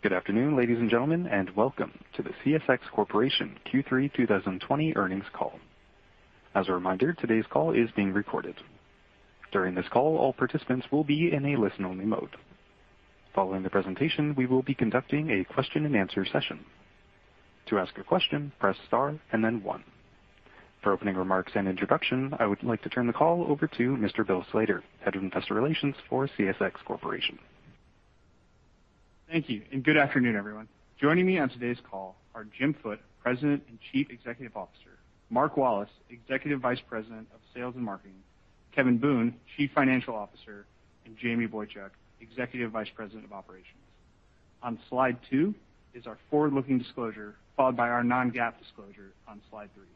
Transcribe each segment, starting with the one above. Good afternoon, ladies and gentlemen, and welcome to the CSX Corporation Q3 2020 earnings call. As a reminder, today's call is being recorded. During this call, all participants will be in a listen-only mode. Following the presentation, we will be conducting a question-and-answer session. To ask a question, press star and then one. For opening remarks and introduction, I would like to turn the call over to Mr. Bill Slater, Head of Investor Relations for CSX Corporation. Thank you, and good afternoon, everyone. Joining me on today's call are Jim Foote, President and Chief Executive Officer, Mark Wallace, Executive Vice President of Sales and Marketing, Kevin Boone, Chief Financial Officer, and Jamie Boychuk, Executive Vice President of Operations. On slide two is our forward-looking disclosure, followed by our non-GAAP disclosure on slide three.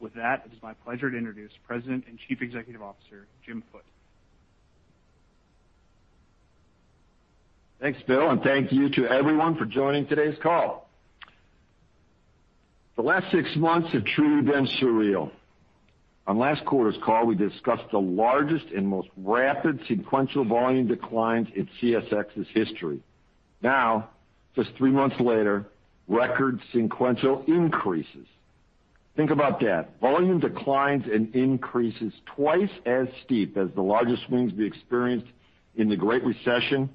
With that, it is my pleasure to introduce President and Chief Executive Officer, Jim Foote. Thanks, Bill, thank you to everyone for joining today's call. The last six months have truly been surreal. On last quarter's call, we discussed the largest and most rapid sequential volume declines in CSX's history. Now, just three months later, record sequential increases. Think about that. Volume declines and increases twice as steep as the largest swings we experienced in the Great Recession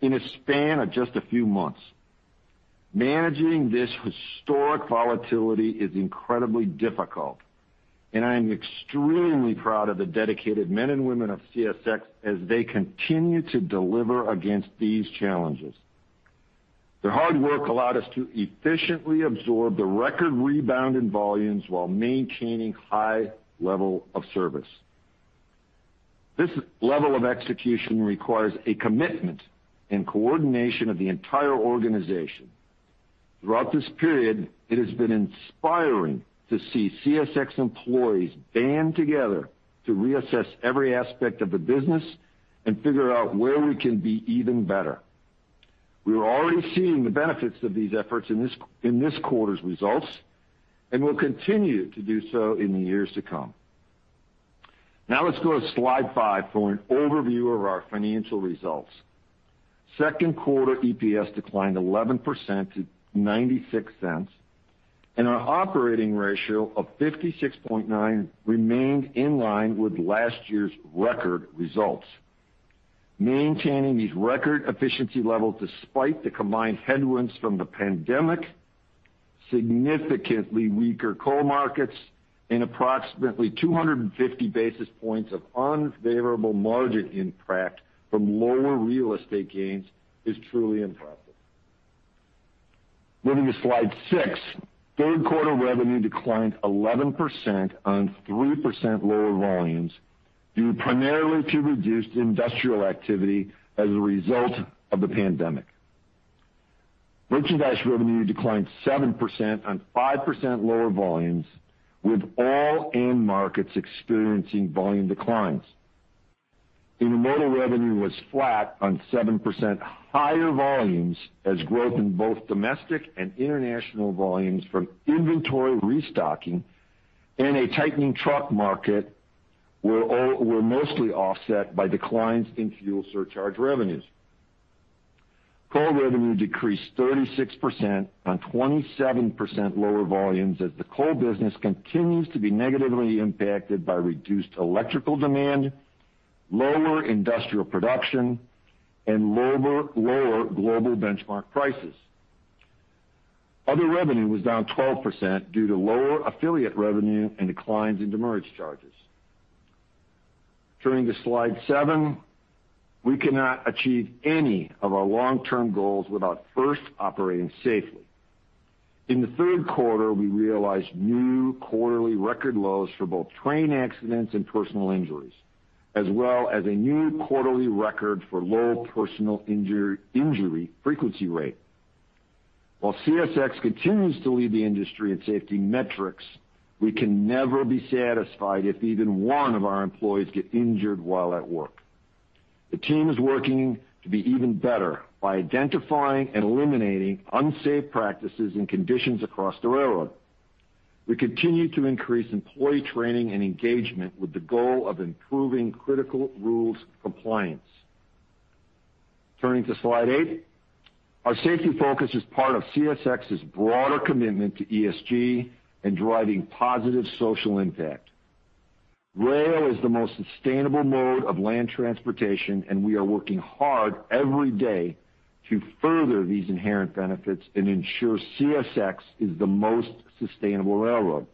in a span of just a few months. Managing this historic volatility is incredibly difficult, I am extremely proud of the dedicated men and women of CSX as they continue to deliver against these challenges. Their hard work allowed us to efficiently absorb the record rebound in volumes while maintaining high level of service. This level of execution requires a commitment and coordination of the entire organization. Throughout this period, it has been inspiring to see CSX employees band together to reassess every aspect of the business and figure out where we can be even better. We are already seeing the benefits of these efforts in this quarter's results, and will continue to do so in the years to come. Now let's go to slide five for an overview of our financial results. Second quarter EPS declined 11% to $0.96, and our operating ratio of 56.9% remained in line with last year's record results. Maintaining these record efficiency levels despite the combined headwinds from the pandemic, significantly weaker coal markets, and approximately 250 basis points of unfavorable margin impact from lower real estate gains is truly impressive. Moving to slide six, third quarter revenue declined 11% on 3% lower volumes due primarily to reduced industrial activity as a result of the pandemic. Merchandise revenue declined 7% on 5% lower volumes, with all end markets experiencing volume declines. Intermodal revenue was flat on 7% higher volumes as growth in both domestic and international volumes from inventory restocking and a tightening truck market were mostly offset by declines in fuel surcharge revenues. Coal revenue decreased 36% on 27% lower volumes as the coal business continues to be negatively impacted by reduced electrical demand, lower industrial production, and lower global benchmark prices. Other revenue was down 12% due to lower affiliate revenue and declines in demurrage charges. Turning to slide seven, we cannot achieve any of our long-term goals without first operating safely. In the third quarter, we realized new quarterly record lows for both train accidents and personal injuries, as well as a new quarterly record for low personal injury frequency rate. While CSX continues to lead the industry in safety metrics, we can never be satisfied if even one of our employees get injured while at work. The team is working to be even better by identifying and eliminating unsafe practices and conditions across the railroad. We continue to increase employee training and engagement with the goal of improving critical rules compliance. Turning to slide eight, our safety focus is part of CSX's broader commitment to ESG and driving positive social impact. Rail is the most sustainable mode of land transportation, we are working hard every day to further these inherent benefits and ensure CSX is the most sustainable railroad.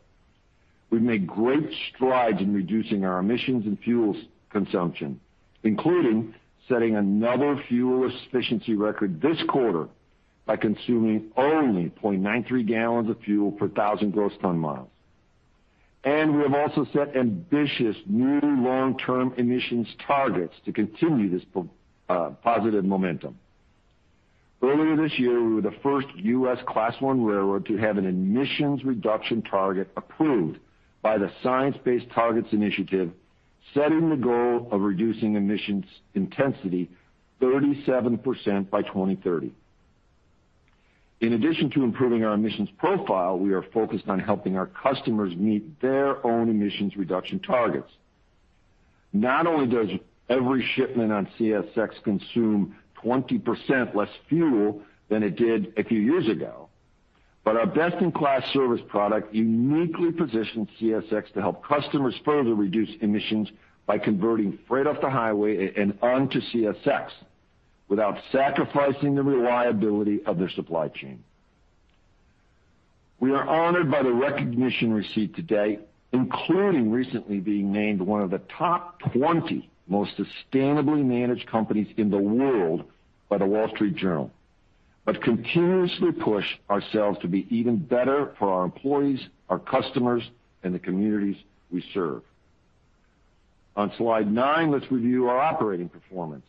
We've made great strides in reducing our emissions and fuel consumption, including setting another fuel efficiency record this quarter by consuming only 0.93 gal of fuel per 1,000 gross ton miles. We have also set ambitious new long-term emissions targets to continue this positive momentum. Earlier this year, we were the first U.S. Class I railroad to have an emissions reduction target approved by the Science Based Targets initiative, setting the goal of reducing emissions intensity 37% by 2030. In addition to improving our emissions profile, we are focused on helping our customers meet their own emissions reduction targets. Not only does every shipment on CSX consume 20% less fuel than it did a few years ago, but our best-in-class service product uniquely positions CSX to help customers further reduce emissions by converting freight off the highway and onto CSX without sacrificing the reliability of their supply chain. We are honored by the recognition received today, including recently being named one of the top 20 most sustainably managed companies in the world by The Wall Street Journal, but continuously push ourselves to be even better for our employees, our customers, and the communities we serve. On slide nine, let's review our operating performance.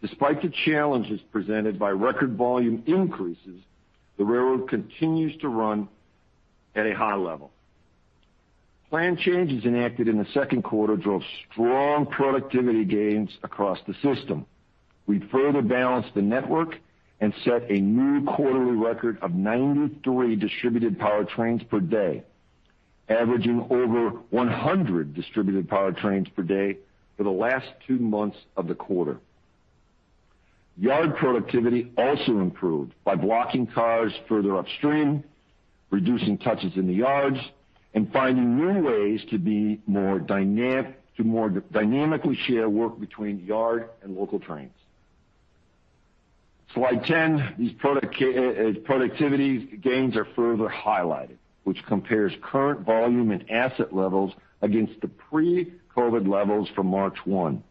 Despite the challenges presented by record volume increases, the railroad continues to run at a high level. Plan changes enacted in the second quarter drove strong productivity gains across the system. We further balanced the network and set a new quarterly record of 93 distributed power trains per day, averaging over 100 distributed power trains per day for the last two months of the quarter. Yard productivity also improved by blocking cars further upstream, reducing touches in the yards, and finding new ways to more dynamically share work between yard and local trains. Slide 10, these productivity gains are further highlighted, which compares current volume and asset levels against the pre-COVID levels from March 1.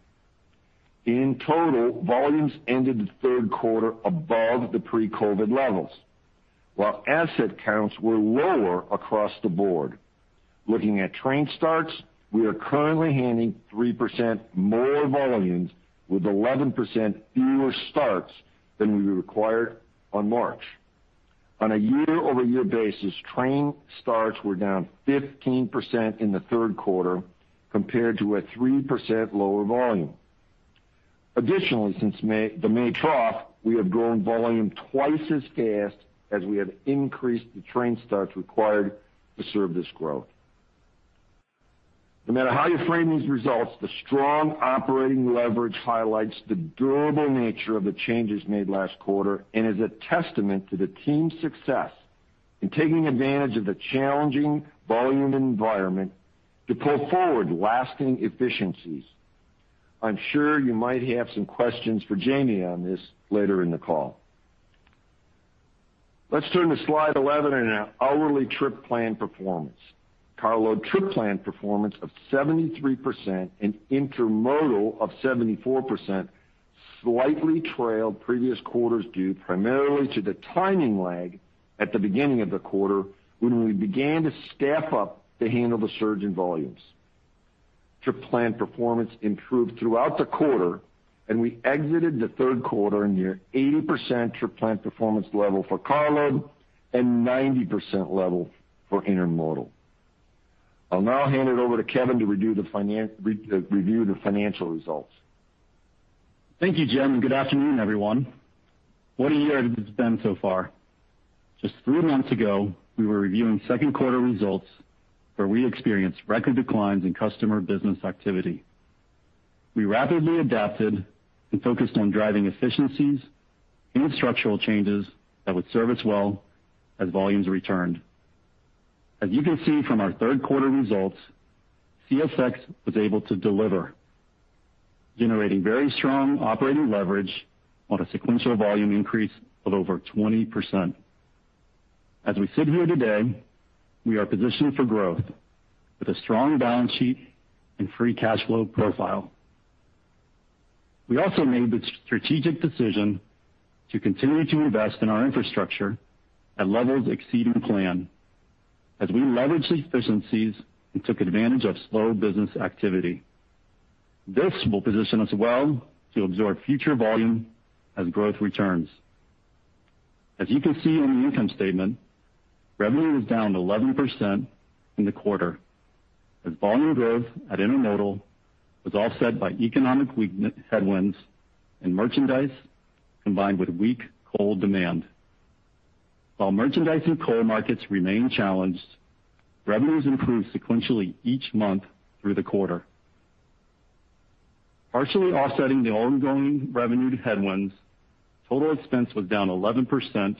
In total, volumes ended the third quarter above the pre-COVID levels, while asset counts were lower across the board. Looking at train starts, we are currently handling 3% more volumes with 11% fewer starts than we required on March. On a year-over-year basis, train starts were down 15% in the third quarter compared to a 3% lower volume. Additionally, since the May trough, we have grown volume twice as fast as we have increased the train starts required to serve this growth. No matter how you frame these results, the strong operating leverage highlights the durable nature of the changes made last quarter and is a testament to the team's success in taking advantage of the challenging volume environment to pull forward lasting efficiencies. I'm sure you might have some questions for Jamie on this later in the call. Let's turn to slide 11 and our hourly trip plan performance. Carload trip plan performance of 73% and Intermodal of 87.4% slightly trailed previous quarters due primarily to the timing lag at the beginning of the quarter, when we began to step up to handle the surge in volumes. Trip plan performance improved throughout the quarter, and we exited the third quarter near 80% trip plan performance level for carload and 90% level for Intermodal. I'll now hand it over to Kevin to review the financial results. Thank you, Jim, and good afternoon, everyone. What a year it's been so far. Just three months ago, we were reviewing second quarter results where we experienced record declines in customer business activity. We rapidly adapted and focused on driving efficiencies and structural changes that would serve us well as volumes returned. As you can see from our third quarter results, CSX was able to deliver, generating very strong operating leverage on a sequential volume increase of over 20%. As we sit here today, we are positioned for growth with a strong balance sheet and free cash flow profile. We also made the strategic decision to continue to invest in our infrastructure at levels exceeding plan as we leveraged efficiencies and took advantage of slow business activity. This will position us well to absorb future volume as growth returns. As you can see on the income statement, revenue was down 11% in the quarter as volume growth at Intermodal was offset by economic headwinds in merchandise combined with weak coal demand. While merchandise and coal markets remain challenged, revenues improved sequentially each month through the quarter. Partially offsetting the ongoing revenue headwinds, total expense was down 11%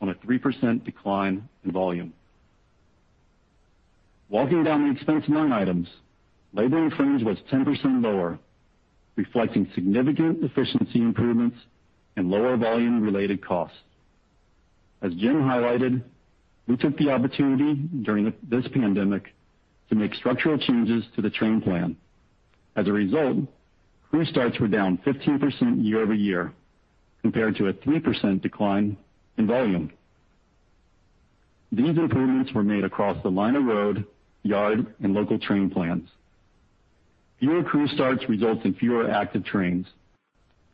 on a 3% decline in volume. Walking down the expense line items, labor and fringe was 10% lower, reflecting significant efficiency improvements and lower volume-related costs. As Jim highlighted, we took the opportunity during this pandemic to make structural changes to the train plan. As a result, crew starts were down 15% year-over-year compared to a 3% decline in volume. These improvements were made across the line of road, yard, and local train plans. Fewer crew starts results in fewer active trains.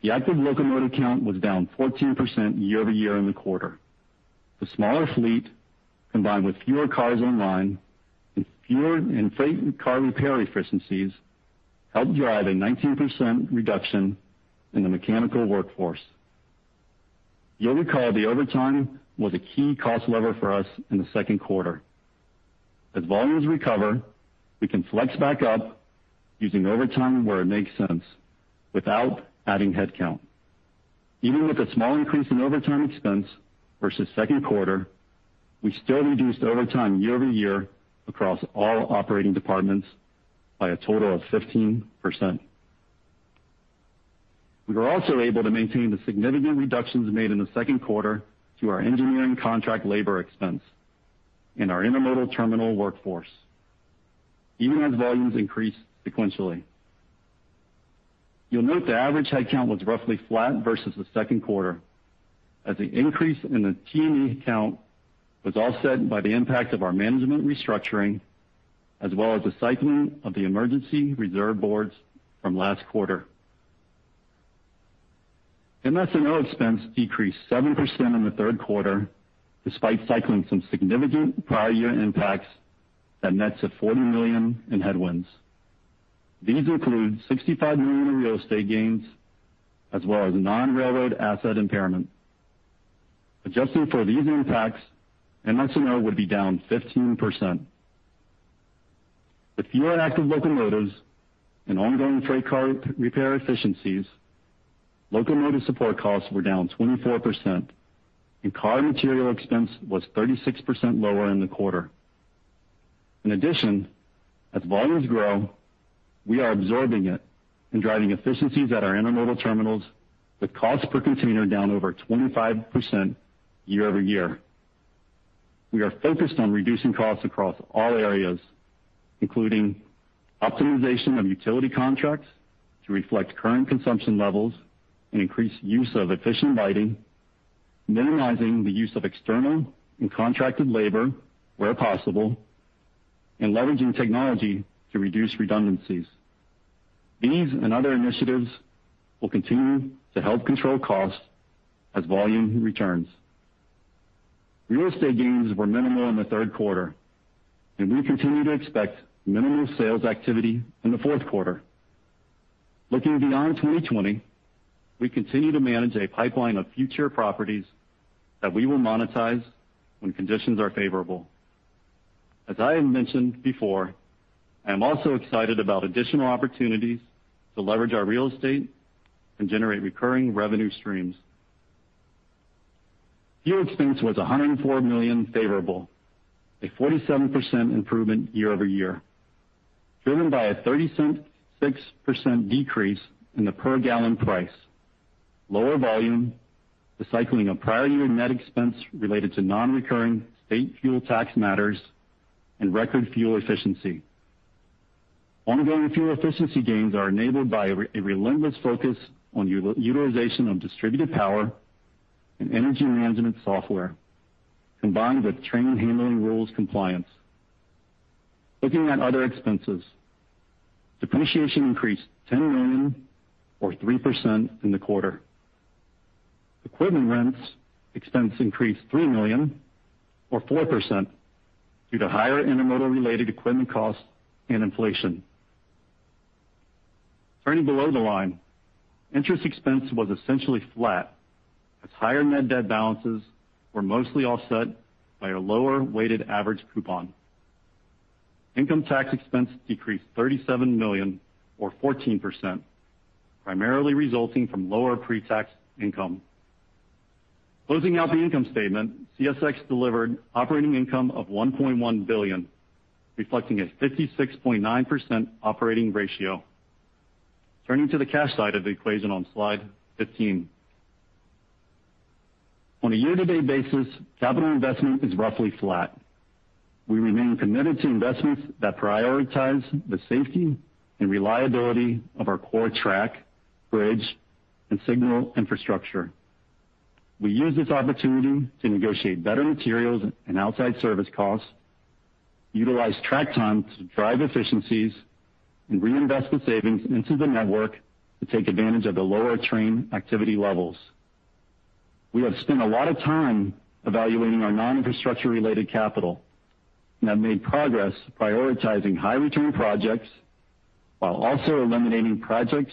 The active locomotive count was down 14% year-over-year in the quarter. The smaller fleet, combined with fewer cars on line, fuel, and freight car repair efficiencies, helped drive a 19% reduction in the mechanical workforce. You'll recall the overtime was a key cost lever for us in the second quarter. As volumes recover, we can flex back up using overtime where it makes sense without adding headcount. Even with a small increase in overtime expense versus second quarter, we still reduced overtime year-over-year across all operating departments by a total of 15%. We were also able to maintain the significant reductions made in the second quarter to our engineering contract labor expense in our intermodal terminal workforce, even as volumes increased sequentially. You'll note the average headcount was roughly flat versus the second quarter, as the increase in the T&E headcount was offset by the impact of our management restructuring, as well as the cycling of the emergency reserve boards from last quarter. MS&O expense decreased 7% in the third quarter despite cycling some significant prior year impacts that nets at $40 million in headwinds. These include $65 million in real estate gains as well as non-railroad asset impairment. Adjusting for these impacts, MS&O would be down 15%. With fewer active locomotives and ongoing freight car repair efficiencies, locomotive support costs were down 24%, and car material expense was 36% lower in the quarter. In addition, as volumes grow, we are absorbing it and driving efficiencies at our intermodal terminals with cost per container down over 25% year-over-year. We are focused on reducing costs across all areas, including optimization of utility contracts to reflect current consumption levels and increase use of efficient lighting, minimizing the use of external and contracted labor where possible, and leveraging technology to reduce redundancies. These and other initiatives will continue to help control costs as volume returns. Real estate gains were minimal in the third quarter, and we continue to expect minimal sales activity in the fourth quarter. Looking beyond 2020, we continue to manage a pipeline of future properties that we will monetize when conditions are favorable. As I have mentioned before, I am also excited about additional opportunities to leverage our real estate and generate recurring revenue streams. Fuel expense was $104 million favorable, a 47% improvement year-over-year, driven by a 36% decrease in the per gallon price, lower volume, the cycling of prior year net expense related to non-recurring state fuel tax matters, and record fuel efficiency. Ongoing fuel efficiency gains are enabled by a relentless focus on utilization of distributed power and energy management software, combined with train handling rules compliance. Looking at other expenses, depreciation increased $10 million or 3% in the quarter. Equipment rents expense increased $3 million or 4% due to higher intermodal-related equipment costs and inflation. Turning below the line, interest expense was essentially flat as higher net debt balances were mostly offset by a lower weighted average coupon. Income tax expense decreased $37 million or 14%, primarily resulting from lower pre-tax income. Closing out the income statement, CSX delivered operating income of $1.1 billion, reflecting a 56.9% operating ratio. Turning to the cash side of the equation on slide 15. On a year-to-date basis, capital investment is roughly flat. We remain committed to investments that prioritize the safety and reliability of our core track, bridge, and signal infrastructure. We use this opportunity to negotiate better materials and outside service costs, utilize track time to drive efficiencies, and reinvestment savings into the network to take advantage of the lower train activity levels. We have spent a lot of time evaluating our non-infrastructure-related capital and have made progress prioritizing high return projects while also eliminating projects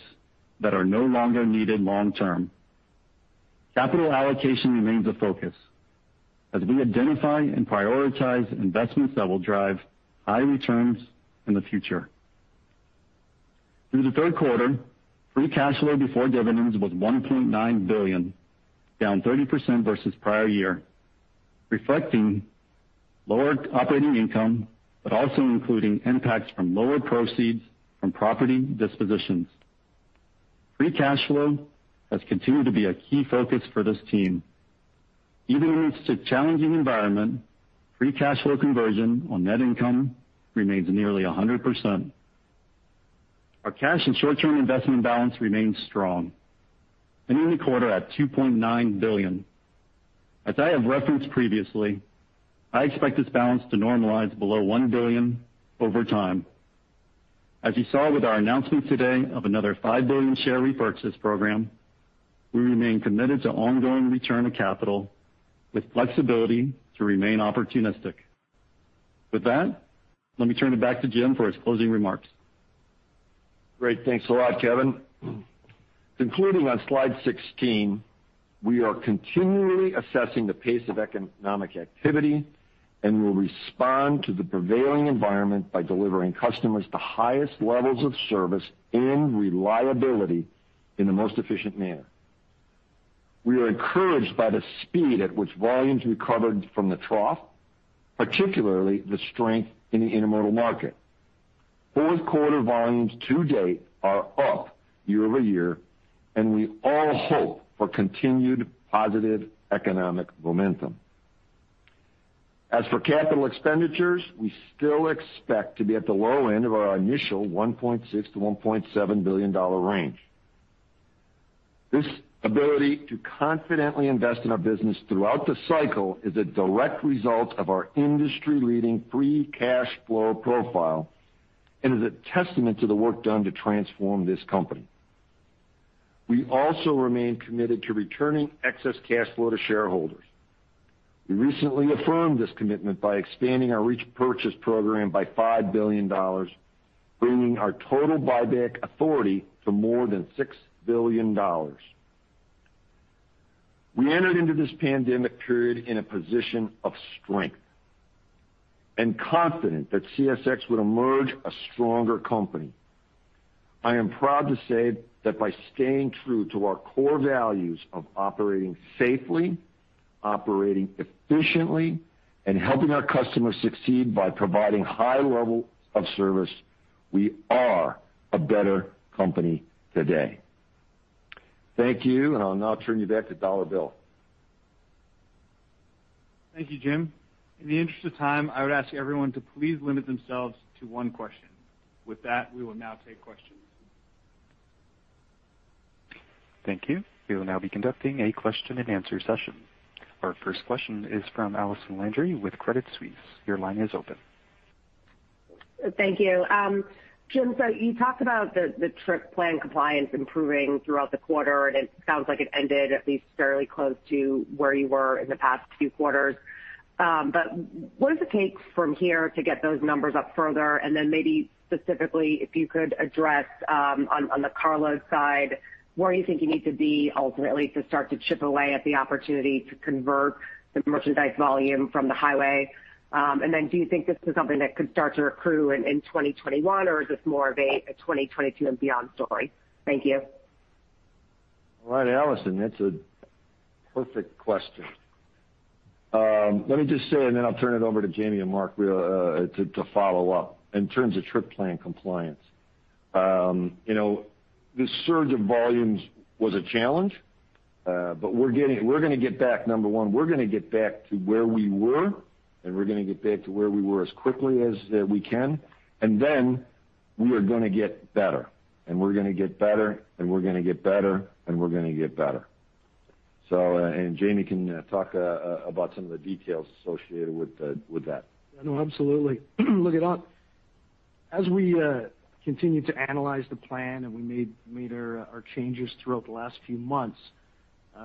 that are no longer needed long term. Capital allocation remains a focus as we identify and prioritize investments that will drive high returns in the future. Through the third quarter, free cash flow before dividends was $1.9 billion, down 30% versus prior year, reflecting lower operating income, also including impacts from lower proceeds from property dispositions. Free cash flow has continued to be a key focus for this team. Even in this challenging environment, free cash flow conversion on net income remains nearly 100%. Our cash and short-term investment balance remains strong, ending the quarter at $2.9 billion. As I have referenced previously, I expect this balance to normalize below $1 billion over time. As you saw with our announcement today of another $5 billion share repurchase program, we remain committed to ongoing return of capital with flexibility to remain opportunistic. With that, let me turn it back to Jim for his closing remarks. Great. Thanks a lot, Kevin. Concluding on slide 16, we are continually assessing the pace of economic activity and will respond to the prevailing environment by delivering customers the highest levels of service and reliability in the most efficient manner. We are encouraged by the speed at which volumes recovered from the trough, particularly the strength in the intermodal market. Fourth quarter volumes to date are up year-over-year, and we all hope for continued positive economic momentum. As for capital expenditures, we still expect to be at the low end of our initial $1.6 billion-$1.7 billion range. This ability to confidently invest in our business throughout the cycle is a direct result of our industry-leading free cash flow profile and is a testament to the work done to transform this company. We also remain committed to returning excess cash flow to shareholders. We recently affirmed this commitment by expanding our repurchase program by $5 billion, bringing our total buyback authority to more than $6 billion. We entered into this pandemic period in a position of strength and confident that CSX would emerge a stronger company. I am proud to say that by staying true to our core values of operating safely, operating efficiently, and helping our customers succeed by providing high levels of service, we are a better company today. Thank you, and I'll now turn you back to Dollar Bill. Thank you, Jim. In the interest of time, I would ask everyone to please limit themselves to one question. With that, we will now take questions. Thank you. We will now be conducting a question-and-answer session. Our first question is from Allison Landry with Credit Suisse. Your line is open. Thank you. Jim, you talked about the trip plan compliance improving throughout the quarter, it sounds like it ended at least fairly close to where you were in the past few quarters. What does it take from here to get those numbers up further? Maybe specifically, if you could address on the carload side, where you think you need to be ultimately to start to chip away at the opportunity to convert the merchandise volume from the highway. Do you think this is something that could start to accrue in 2021, or is this more of a 2022 and beyond story? Thank you. All right, Allison, that's a perfect question. Let me just say, then I'll turn it over to Jamie and Mark to follow up. In terms of trip plan compliance, this surge of volumes was a challenge, but number one, we're going to get back to where we were, and we're going to get back to where we were as quickly as we can. Then we are going to get better, and we're going to get better, and we're going to get better, and we're going to get better. Jamie can talk about some of the details associated with that. No, absolutely. Look, as we continue to analyze the plan, and we made our changes throughout the last few months,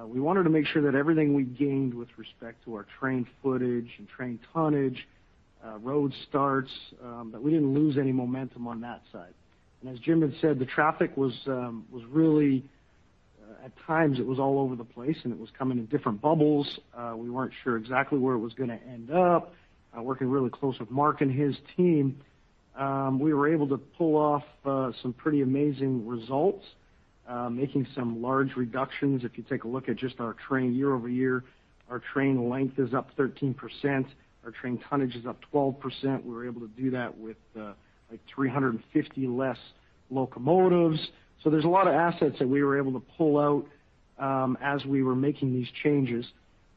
we wanted to make sure that everything we gained with respect to our train footage and train tonnage, road starts, that we didn't lose any momentum on that side. As Jim had said, at times it was all over the place, and it was coming in different bubbles. We weren't sure exactly where it was going to end up. Working really close with Mark and his team, we were able to pull off some pretty amazing results, making some large reductions. If you take a look at just our train year-over-year, our train length is up 13%, our train tonnage is up 12%. We were able to do that with 350 less locomotives. There's a lot of assets that we were able to pull out as we were making these changes.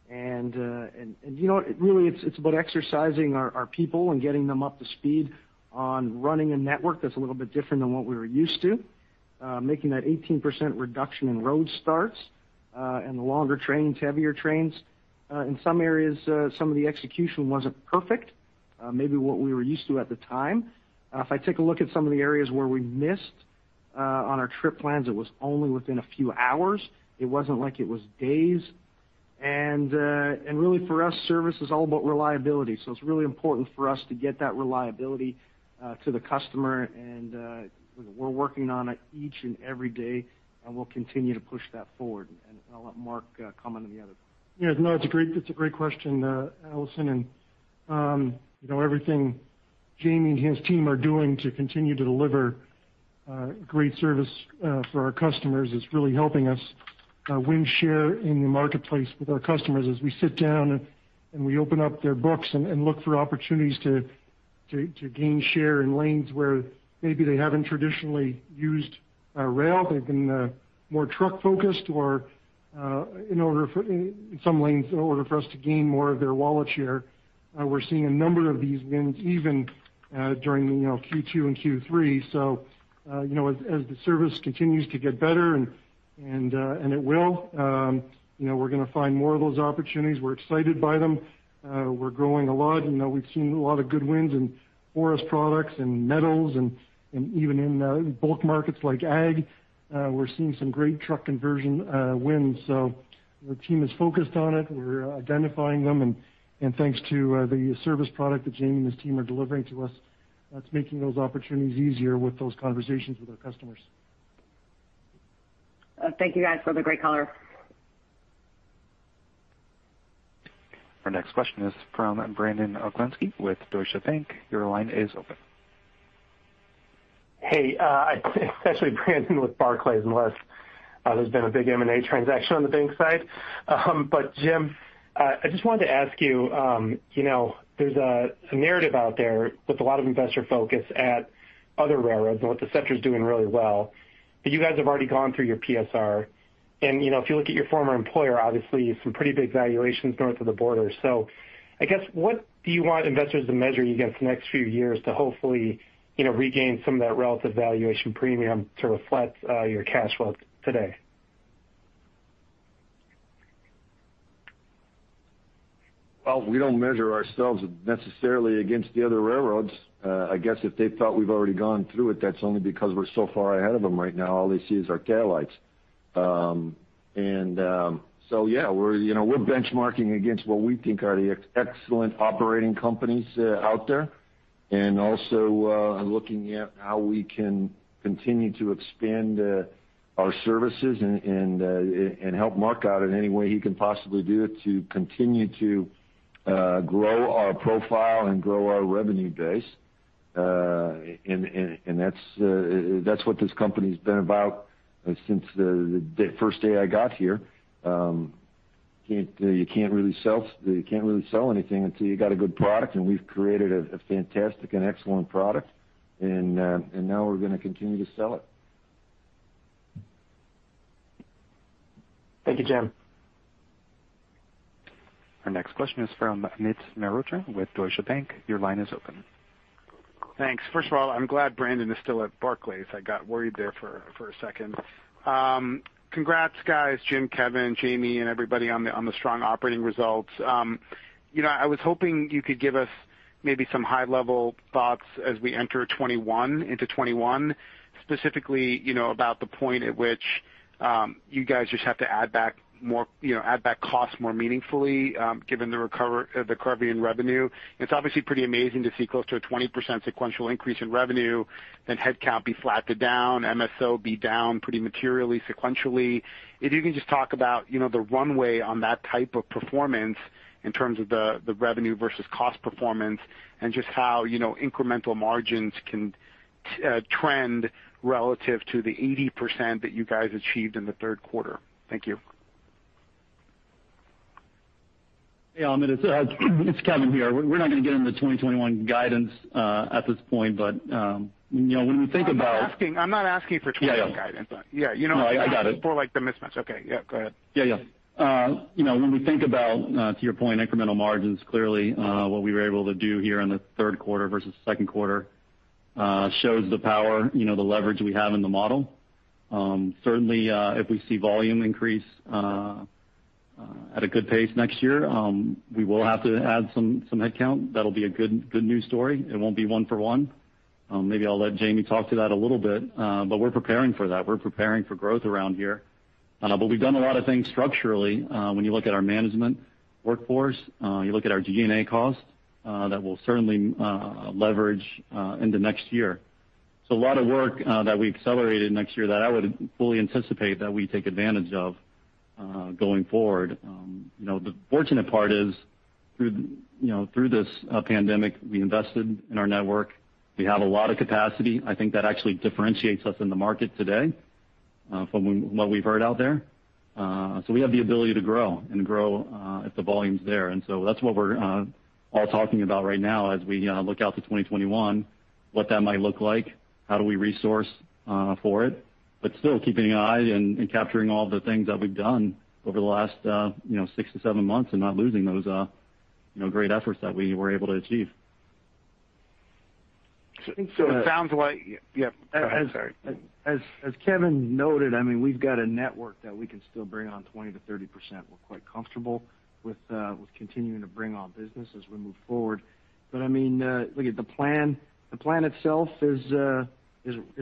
Really, it's about exercising our people and getting them up to speed on running a network that's a little bit different than what we were used to. Making that 18% reduction in road starts and the longer trains, heavier trains. In some areas, some of the execution wasn't perfect, maybe what we were used to at the time. If I take a look at some of the areas where we missed on our trip plans, it was only within a few hours. It wasn't like it was days. Really for us, service is all about reliability. It's really important for us to get that reliability to the customer, and we're working on it each and every day, and we'll continue to push that forward. I'll let Mark comment on the other. Yeah, no, it's a great question, Allison. Everything Jamie and his team are doing to continue to deliver great service for our customers is really helping us win share in the marketplace with our customers as we sit down and we open up their books and look for opportunities to gain share in lanes where maybe they haven't traditionally used rail, they've been more truck focused or in some lanes, in order for us to gain more of their wallet share. We're seeing a number of these wins even during Q2 and Q3. As the service continues to get better, and it will, we're going to find more of those opportunities. We're excited by them. We're growing a lot. We've seen a lot of good wins in forest products and metals, and even in bulk markets like ag, we're seeing some great truck conversion wins. The team is focused on it. We're identifying them, and thanks to the service product that Jamie and his team are delivering to us, that's making those opportunities easier with those conversations with our customers. Thank you guys for the great color. Our next question is from Brandon Oglenski with Deutsche Bank. Your line is open. Hey, it's actually Brandon with Barclays, unless there's been a big M&A transaction on the bank side. Jim, I just wanted to ask you, there's a narrative out there with a lot of investor focus at other railroads and what the sector's doing really well. You guys have already gone through your PSR, and if you look at your former employer, obviously some pretty big valuations north of the border. I guess, what do you want investors to measure you against the next few years to hopefully regain some of that relative valuation premium to reflect your cash flow today? Well, we don't measure ourselves necessarily against the other railroads. I guess if they thought we've already gone through it, that's only because we're so far ahead of them right now, all they see is our taillights. Yeah, we're benchmarking against what we think are the excellent operating companies out there, and also looking at how we can continue to expand our services and help Mark out in any way he can possibly do to continue to grow our profile and grow our revenue base. That's what this company's been about since the first day I got here. You can't really sell anything until you got a good product, and we've created a fantastic and excellent product. Now we're going to continue to sell it. Thank you, Jim. Our next question is from Amit Mehrotra with Deutsche Bank. Your line is open. Thanks. First of all, I'm glad Brandon is still at Barclays. I got worried there for a second. Congrats, guys. Jim, Kevin, Jamie, and everybody on the strong operating results. I was hoping you could give us maybe some high-level thoughts as we enter into 2021, specifically about the point at which you guys just have to add back costs more meaningfully, given the recovery in revenue. It's obviously pretty amazing to see close to a 20% sequential increase in revenue, then headcount be flat to down, MS&O be down pretty materially sequentially. If you can just talk about the runway on that type of performance in terms of the revenue versus cost performance and just how incremental margins can trend relative to the 80% that you guys achieved in the third quarter. Thank you. Hey, Amit, it's Kevin here. We're not going to get into 2021 guidance at this point. When we think about- I'm not asking for 2021 guidance. Yeah, I got it. For the mismatch. Okay. Yeah, go ahead. When we think about, to your point, incremental margins, clearly what we were able to do here in the third quarter versus second quarter shows the power, the leverage we have in the model. Certainly, if we see volume increase at a good pace next year, we will have to add some headcount. That'll be a good new story. It won't be one for one. Maybe I'll let Jamie talk to that a little bit. We're preparing for that. We're preparing for growth around here. We've done a lot of things structurally. When you look at our management workforce, you look at our G&A cost, that will certainly leverage into next year. A lot of work that we accelerated next year that I would fully anticipate that we take advantage of going forward. The fortunate part is through this pandemic, we invested in our network. We have a lot of capacity. I think that actually differentiates us in the market today from what we've heard out there. We have the ability to grow and grow if the volume's there. That's what we're all talking about right now as we look out to 2021, what that might look like, how do we resource for it. Still keeping an eye and capturing all the things that we've done over the last six to seven months and not losing those great efforts that we were able to achieve. Yeah, go ahead. Sorry. As Kevin noted, we've got a network that we can still bring on 20%-30%. We're quite comfortable with continuing to bring on business as we move forward. Look at the plan. The plan itself is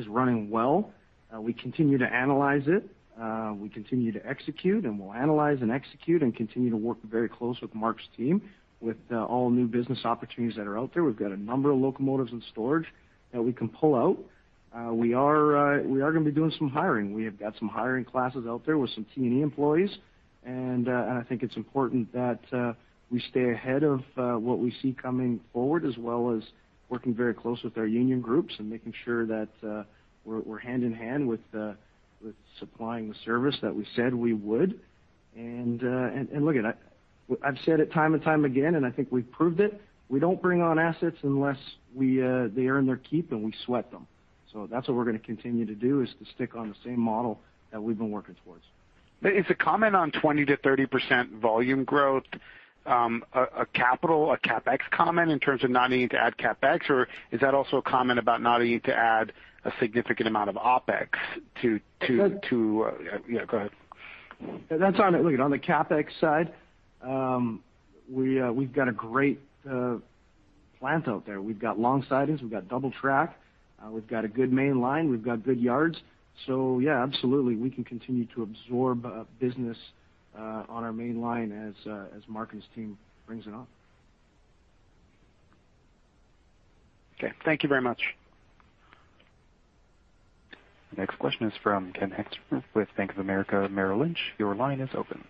running well. We continue to analyze it. We continue to execute, and we'll analyze and execute and continue to work very close with Mark's team with all new business opportunities that are out there. We've got a number of locomotives in storage that we can pull out. We are going to be doing some hiring. We have got some hiring classes out there with some T&E employees, and I think it's important that we stay ahead of what we see coming forward, as well as working very close with our union groups and making sure that we're hand in hand with supplying the service that we said we would. Look, I've said it time and time again, and I think we've proved it. We don't bring on assets unless they earn their keep and we sweat them. That's what we're going to continue to do, is to stick on the same model that we've been working towards. Is the comment on 20%-30% volume growth a CapEx comment in terms of not needing to add CapEx? Is that also a comment about not needing to add a significant amount of OpEx? Yeah, go ahead. Look, on the CapEx side, we've got a great plant out there. We've got long sidings, we've got double track, we've got a good main line, we've got good yards. Yeah, absolutely, we can continue to absorb business on our main line as Mark and his team brings it on. Okay. Thank you very much. Next question is from Ken Hoexter with Bank of America Merrill Lynch. Your line is open.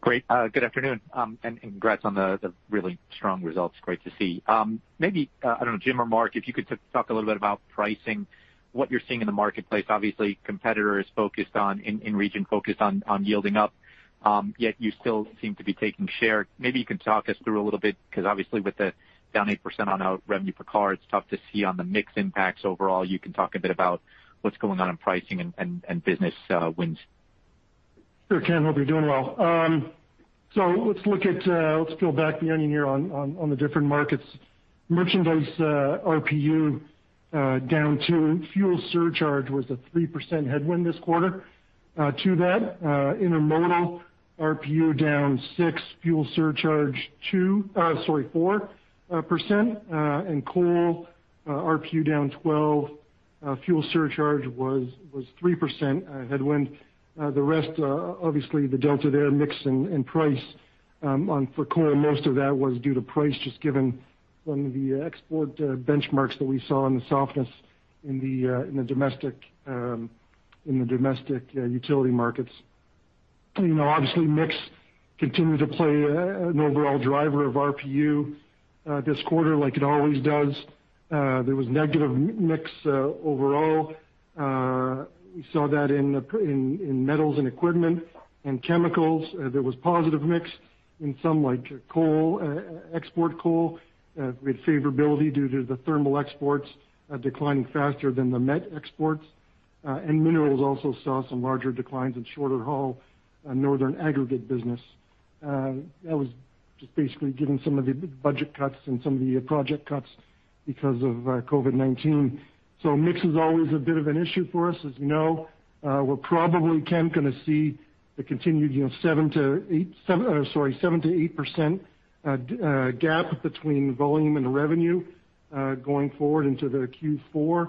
Great. Good afternoon, congrats on the really strong results. Great to see. Maybe, I don't know, Jim or Mark, if you could talk a little bit about pricing, what you're seeing in the marketplace. Obviously, competitors focused on, in region, focused on yielding up, yet you still seem to be taking share. Maybe you can talk us through a little bit, because obviously with the down 8% on a revenue per car, it's tough to see on the mix impacts overall. You can talk a bit about what's going on in pricing and business wins. Sure, Ken. Hope you're doing well. Let's peel back the onion here on the different markets. Merchandise RPU down 2%. Fuel surcharge was a 3% headwind this quarter to that. Intermodal RPU down 6%, fuel surcharge 4%, and coal RPU down 12%. Fuel surcharge was a 3% headwind. The rest, obviously, the delta there, mix and price for coal, most of that was due to price just given some of the export benchmarks that we saw and the softness in the domestic utility markets. Obviously, mix continued to play an overall driver of RPU this quarter, like it always does. There was negative mix overall. We saw that in metals and equipment, and chemicals. There was positive mix in some, like coal, export coal, with favorability due to the thermal exports declining faster than the met exports. Minerals also saw some larger declines in shorter haul northern aggregate business. That was just basically given some of the budget cuts and some of the project cuts because of COVID-19. Mix is always a bit of an issue for us, as you know. We're probably, Ken, going to see the continued 7%-8% gap between volume and revenue going forward into the Q4.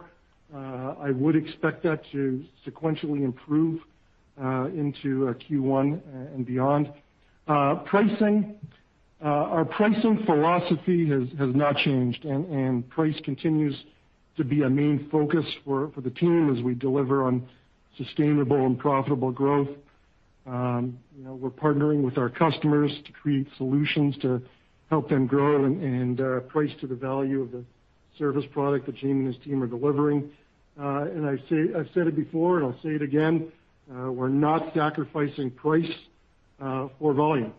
I would expect that to sequentially improve into Q1 and beyond. Pricing. Our pricing philosophy has not changed, and price continues to be a main focus for the team as we deliver on sustainable and profitable growth. We're partnering with our customers to create solutions to help them grow and price to the value of the service product that Jim and his team are delivering. I've said it before, and I'll say it again, we're not sacrificing price for volume.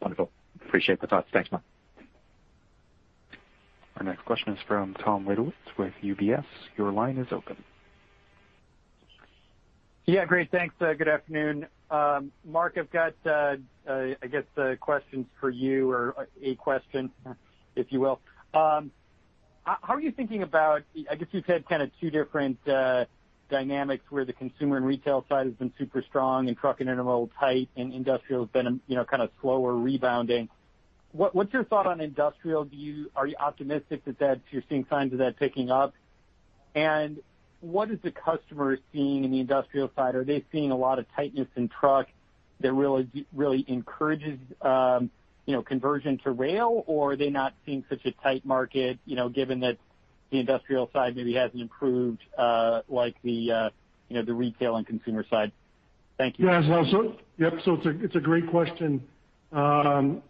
Wonderful. Appreciate the thoughts. Thanks, Mark. Our next question is from Tom Wadewitz with UBS. Your line is open. Yeah, great. Thanks. Good afternoon. Mark, I've got, I guess, questions for you or a question, if you will. I guess you've had kind of two different dynamics where the consumer and retail side has been super strong and trucking intermodal tight and industrial has been kind of slower rebounding. What's your thought on industrial? Are you optimistic that you're seeing signs of that picking up? What is the customer seeing in the industrial side? Are they seeing a lot of tightness in truck that really encourages conversion to rail, or are they not seeing such a tight market, given that the industrial side maybe hasn't improved like the retail and consumer side? Thank you. Yeah. It's a great question. We are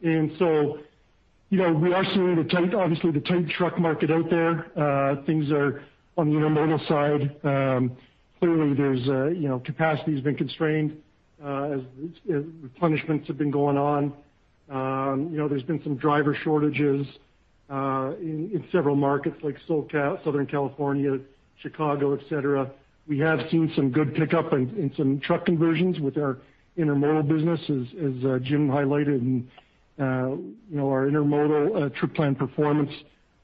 seeing, obviously, the tight truck market out there. Things are on the intermodal side. Clearly, capacity has been constrained as replenishments have been going on. There's been some driver shortages in several markets like Southern California, Chicago, et cetera. We have seen some good pickup in some truck conversions with our intermodal business, as Jim highlighted, and our intermodal trip plan performance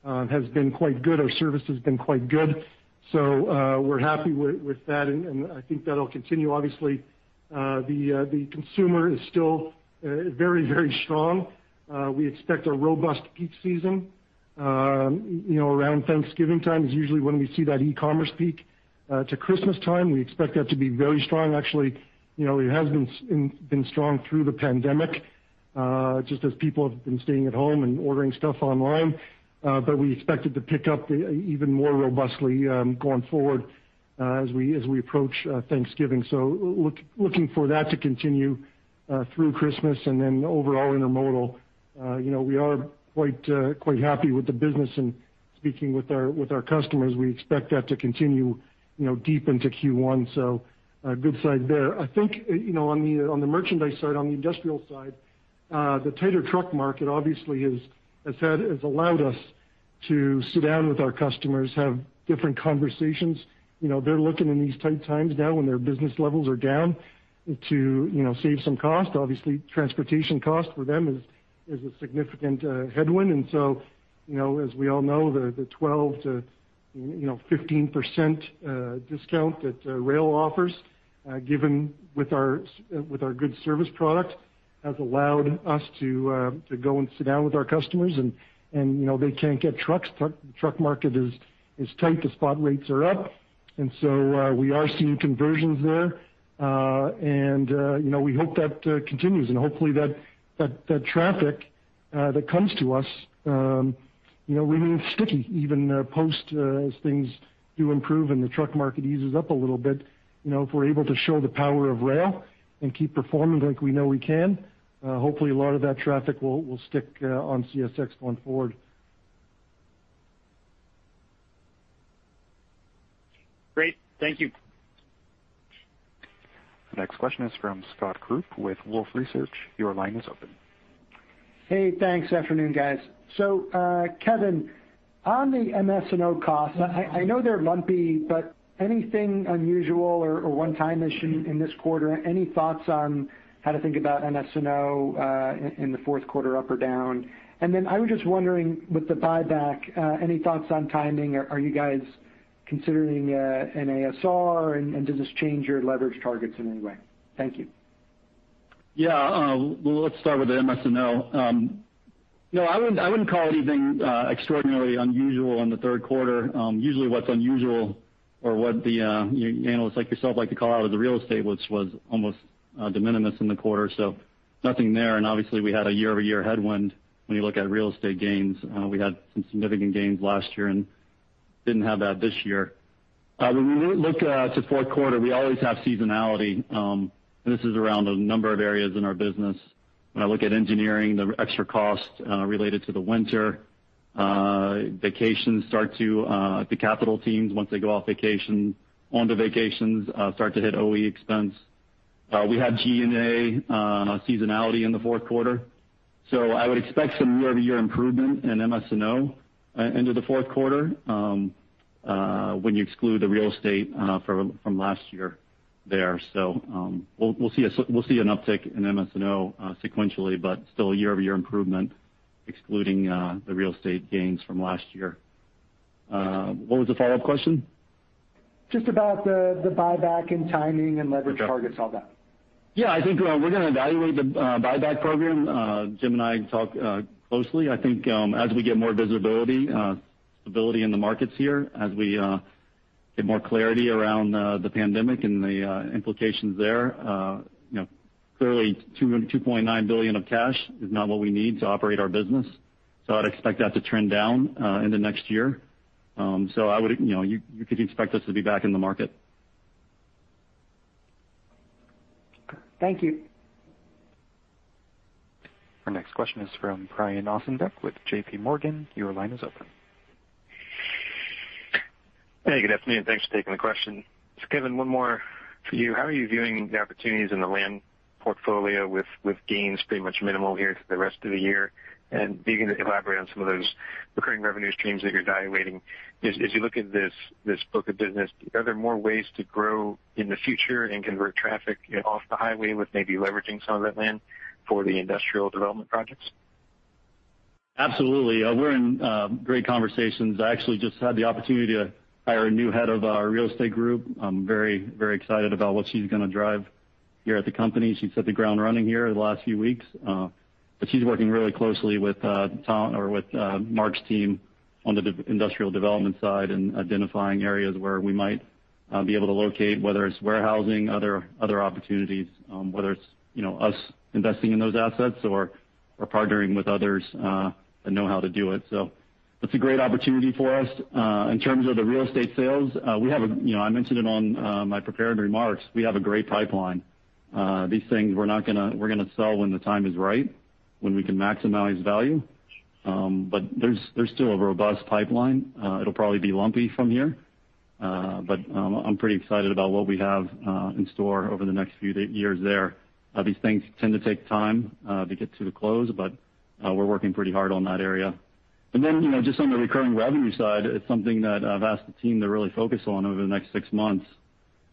has been quite good. Our service has been quite good. We're happy with that, and I think that'll continue. Obviously, the consumer is still very, very strong. We expect a robust peak season around Thanksgiving time, is usually when we see that e-commerce peak, to Christmas time. We expect that to be very strong. Actually, it has been strong through the pandemic, just as people have been staying at home and ordering stuff online. We expect it to pick up even more robustly going forward as we approach Thanksgiving. Looking for that to continue through Christmas. Overall intermodal, we are quite happy with the business and speaking with our customers, we expect that to continue deep into Q1. A good sign there. I think, on the merchandise side, on the industrial side, the tighter truck market obviously has allowed us to sit down with our customers, have different conversations. They're looking in these tight times now when their business levels are down to save some cost. Obviously, transportation cost for them is a significant headwind. As we all know, the 12%-15% discount that rail offers, given with our good service product, has allowed us to go and sit down with our customers, and they can't get trucks. Truck market is tight. The spot rates are up. We are seeing conversions there. We hope that continues and hopefully that traffic that comes to us remains sticky, even post as things do improve and the truck market eases up a little bit. If we're able to show the power of rail and keep performing like we know we can, hopefully a lot of that traffic will stick on CSX going forward. Great. Thank you. The next question is from Scott Group with Wolfe Research. Your line is open. Hey, thanks. Afternoon, guys. Kevin, on the MS&O costs, I know they're lumpy, but anything unusual or one-time issue in this quarter? Any thoughts on how to think about MS&O in the fourth quarter, up or down? I was just wondering, with the buyback, any thoughts on timing? Are you guys considering an ASR, and does this change your leverage targets in any way? Thank you. Yeah. Let's start with the MS&O. No, I wouldn't call anything extraordinarily unusual in the third quarter. Usually what's unusual or what the analysts like yourself like to call out is the real estate, which was almost de minimis in the quarter, so nothing there. Obviously, we had a year-over-year headwind when you look at real estate gains. We had some significant gains last year and didn't have that this year. When we look to fourth quarter, we always have seasonality. This is around a number of areas in our business. When I look at engineering, the extra cost related to the winter, the capital teams, once they go on the vacations, start to hit OE expense. We have G&A seasonality in the fourth quarter. I would expect some year-over-year improvement in MS&O into the fourth quarter when you exclude the real estate from last year there. We'll see an uptick in MS&O sequentially, but still year-over-year improvement, excluding the real estate gains from last year. What was the follow-up question? Just about the buyback and timing and leverage targets, all that. Yeah. I think we're going to evaluate the buyback program. Jim and I talk closely. I think as we get more visibility in the markets here, as we get more clarity around the pandemic and the implications there, clearly $2.9 billion of cash is not what we need to operate our business. I'd expect that to trend down into next year. You could expect us to be back in the market. Thank you. Our next question is from Brian Ossenbeck with JPMorgan. Your line is open. Hey, good afternoon. Thanks for taking the question. Kevin, one more for you. How are you viewing the opportunities in the land portfolio with gains pretty much minimal here through the rest of the year, and begin to elaborate on some of those recurring revenue streams that you're evaluating? As you look at this book of business, are there more ways to grow in the future and convert traffic off the highway with maybe leveraging some of that land for the industrial development projects? Absolutely. We're in great conversations. I actually just had the opportunity to hire a new head of our real estate group. I'm very excited about what she's going to drive here at the company. She's hit the ground running here the last few weeks. She's working really closely with Mark's team on the industrial development side and identifying areas where we might be able to locate, whether it's warehousing, other opportunities, whether it's us investing in those assets or partnering with others that know how to do it. That's a great opportunity for us. In terms of the real estate sales, I mentioned it on my prepared remarks, we have a great pipeline. These things we're going to sell when the time is right, when we can maximize value. There's still a robust pipeline. It'll probably be lumpy from here. I'm pretty excited about what we have in store over the next few years there. These things tend to take time to get to the close, we're working pretty hard on that area. Just on the recurring revenue side, it's something that I've asked the team to really focus on over the next six months,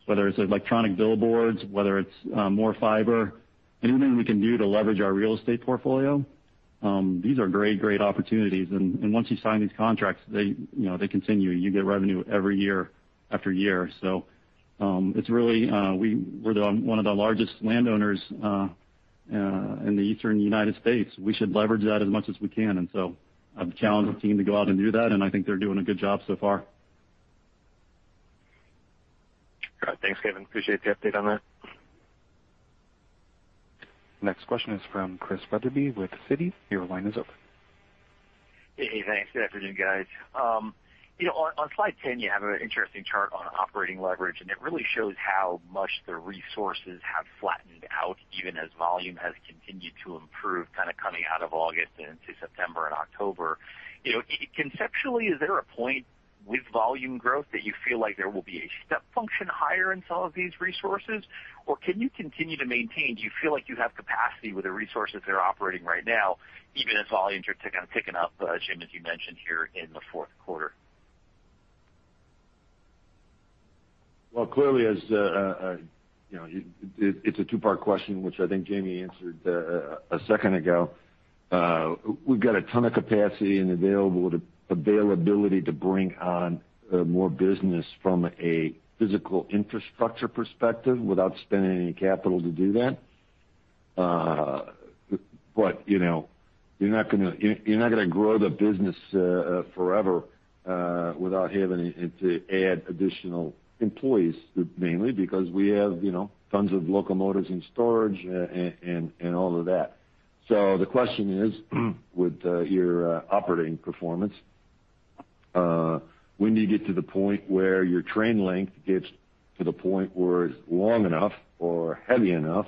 whether it's electronic billboards, whether it's more fiber, anything we can do to leverage our real estate portfolio. These are great opportunities, once you sign these contracts, they continue. You get revenue every year after year. We're one of the largest landowners in the Eastern U.S. We should leverage that as much as we can, I've challenged the team to go out and do that, and I think they're doing a good job so far. Got it. Thanks, Kevin. Appreciate the update on that. Next question is from Chris Wetherbee with Citi. Your line is open. Hey, thanks. Good afternoon, guys. On slide 10, you have an interesting chart on operating leverage. It really shows how much the resources have flattened out even as volume has continued to improve, kind of coming out of August and into September and October. Conceptually, is there a point with volume growth that you feel like there will be a step function higher in some of these resources? Can you continue to maintain? Do you feel like you have capacity with the resources that are operating right now, even as volumes are kind of ticking up, Jim, as you mentioned here in the fourth quarter? Well, clearly, it's a two-part question, which I think Jamie answered a second ago. We've got a ton of capacity and availability to bring on more business from a physical infrastructure perspective without spending any capital to do that. You're not going to grow the business forever without having to add additional employees, mainly because we have tons of locomotives in storage and all of that. The question is with your operating performance, when do you get to the point where your train length gets to the point where it's long enough or heavy enough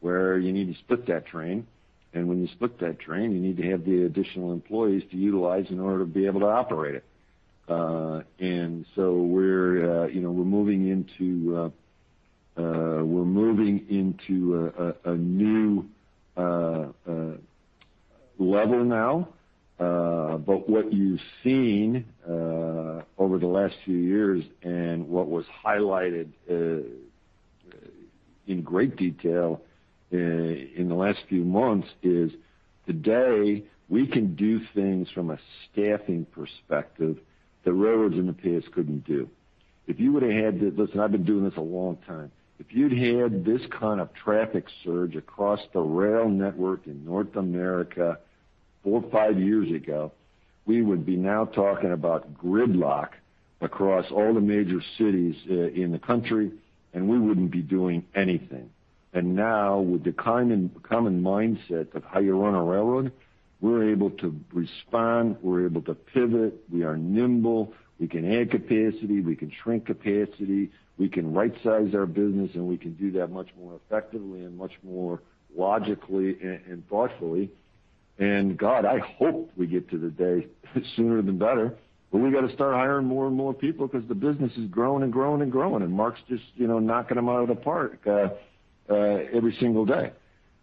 where you need to split that train? When you split that train, you need to have the additional employees to utilize in order to be able to operate it. We're moving into a new level now. What you've seen over the last few years and what was highlighted in great detail in the last few months is today we can do things from a staffing perspective that railroads in the past couldn't do. Listen, I've been doing this a long time. If you'd had this kind of traffic surge across the rail network in North America four or five years ago, we would be now talking about gridlock across all the major cities in the country, and we wouldn't be doing anything. Now, with the common mindset of how you run a railroad, we're able to respond, we're able to pivot. We are nimble. We can add capacity. We can shrink capacity. We can right-size our business, and we can do that much more effectively and much more logically and thoughtfully. God, I hope we get to the day sooner the better, but we've got to start hiring more and more people because the business is growing and growing and growing, and Mark's just knocking them out of the park every single day.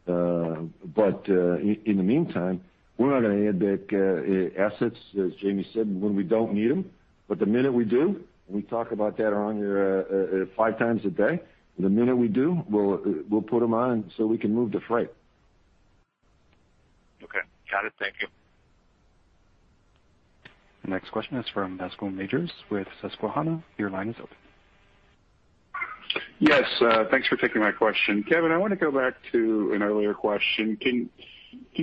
In the meantime, we're not going to add back assets, as Jamie said, when we don't need them. The minute we do, and we talk about that around here five times a day, the minute we do, we'll put them on so we can move the freight. Okay. Got it. Thank you. The next question is from Bascome Majors with Susquehanna. Your line is open. Yes. Thanks for taking my question. Kevin, I want to go back to an earlier question. Can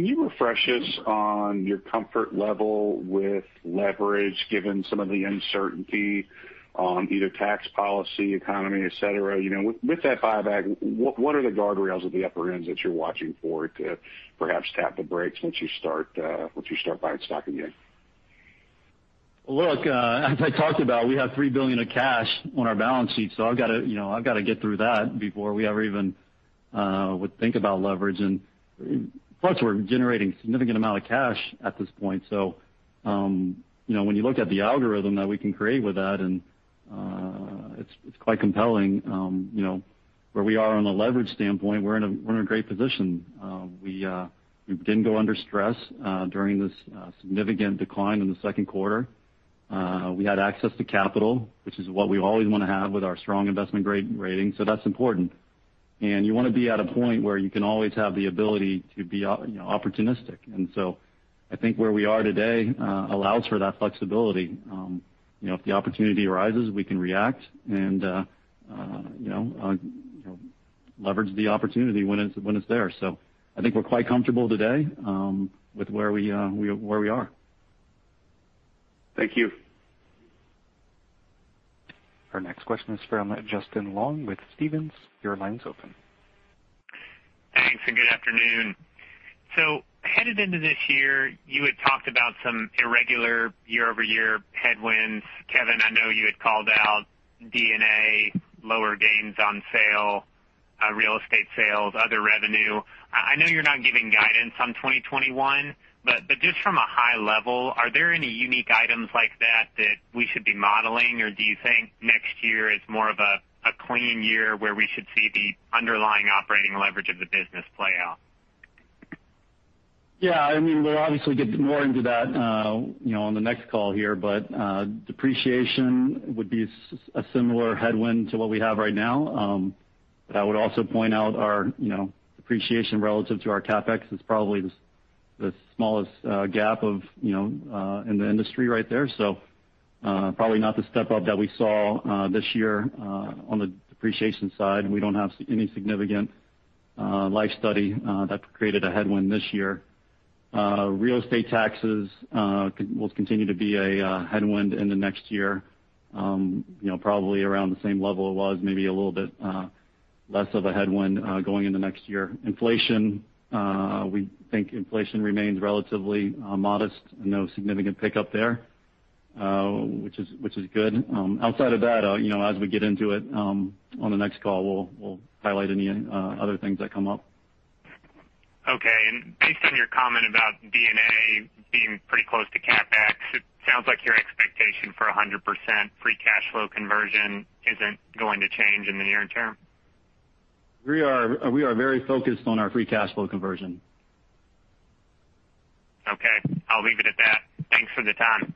you refresh us on your comfort level with leverage, given some of the uncertainty on either tax policy, economy, et cetera? With that buyback, what are the guardrails at the upper ends that you're watching for to perhaps tap the brakes once you start buying stock again? Look, as I talked about, we have $3 billion of cash on our balance sheet. I've got to get through that before we ever even would think about leverage. Plus, we're generating significant amount of cash at this point. When you look at the algorithm that we can create with that, and it's quite compelling where we are on a leverage standpoint, we're in a great position. We didn't go under stress during this significant decline in the second quarter. We had access to capital, which is what we always want to have with our strong investment grade rating. That's important. You want to be at a point where you can always have the ability to be opportunistic. I think where we are today allows for that flexibility. If the opportunity arises, we can react and leverage the opportunity when it's there. I think we're quite comfortable today with where we are. Thank you. Our next question is from Justin Long with Stephens. Your line's open. Thanks, and good afternoon. Headed into this year, you had talked about some irregular year-over-year headwinds. Kevin, I know you had called out D&A, lower gains on sale, real estate sales, other revenue. I know you're not giving guidance on 2021, but just from a high level, are there any unique items like that that we should be modeling? Or do you think next year is more of a clean year where we should see the underlying operating leverage of the business play out? Yeah, we'll obviously get more into that on the next call here. Depreciation would be a similar headwind to what we have right now. I would also point out our depreciation relative to our CapEx is probably the smallest gap in the industry right there. Probably not the step up that we saw this year on the depreciation side, and we don't have any significant life study that created a headwind this year. Real estate taxes will continue to be a headwind in the next year, probably around the same level it was, maybe a little bit less of a headwind going into next year. Inflation, we think inflation remains relatively modest. No significant pickup there, which is good. Outside of that, as we get into it on the next call, we'll highlight any other things that come up. Okay. Based on your comment about D&A being pretty close to CapEx, it sounds like your expectation for 100% free cash flow conversion isn't going to change in the near term. We are very focused on our free cash flow conversion. Okay. I'll leave it at that. Thanks for the time.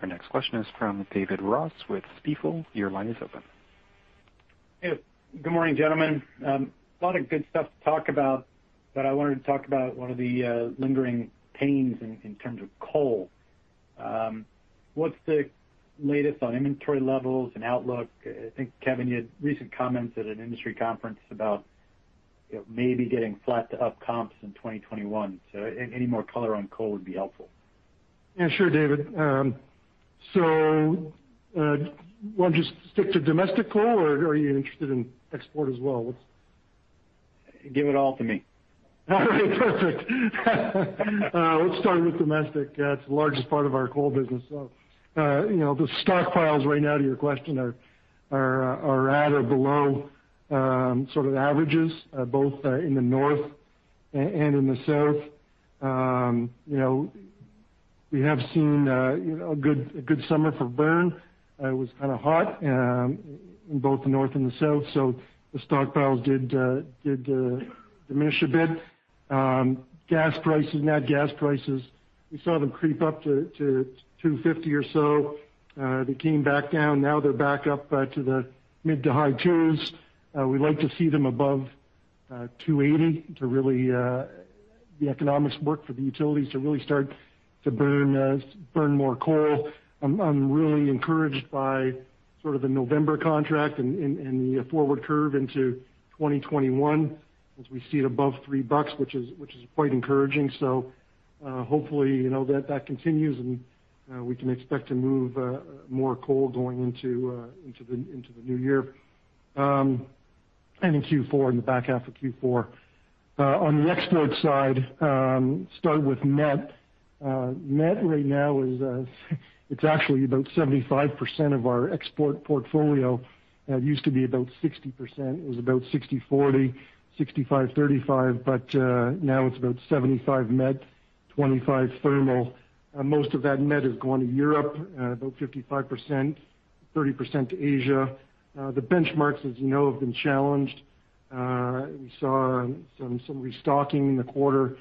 Our next question is from David Ross with Stifel. Your line is open. Hey. Good morning, gentlemen. A lot of good stuff to talk about, but I wanted to talk about one of the lingering pains in terms of coal. What's the latest on inventory levels and outlook? I think, Kevin, you had recent comments at an industry conference about maybe getting flat to up comps in 2021. Any more color on coal would be helpful. Yeah, sure, David. Want to just stick to domestic coal, or are you interested in export as well? Give it all to me. All right, perfect. Let's start with domestic. It's the largest part of our coal business. The stockpiles right now, to your question, are at or below averages, both in the North and in the South. We have seen a good summer for burn. It was kind of hot in both the North and in the South, so the stockpiles did diminish a bit. Gas prices, nat gas prices, we saw them creep up to $2.50 or so. They came back down. They're back up to the mid to high $2s. We like to see them above $2.80 to really the economics work for the utilities to really start to burn more coal. I'm really encouraged by sort of the November contract and the forward curve into 2021, as we see it above $3 bucks, which is quite encouraging. Hopefully, that continues, and we can expect to move more coal going into the new year and in Q4, in the back half of Q4. On the export side, start with met. Met right now is it's actually about 75% of our export portfolio. It used to be about 60%. It was about 60/40, 65/35, but now it's about 75% met, 25% thermal. Most of that met is going to Europe, about 55%, 30% to Asia. The benchmarks, as you know, have been challenged. We saw some restocking in the quarter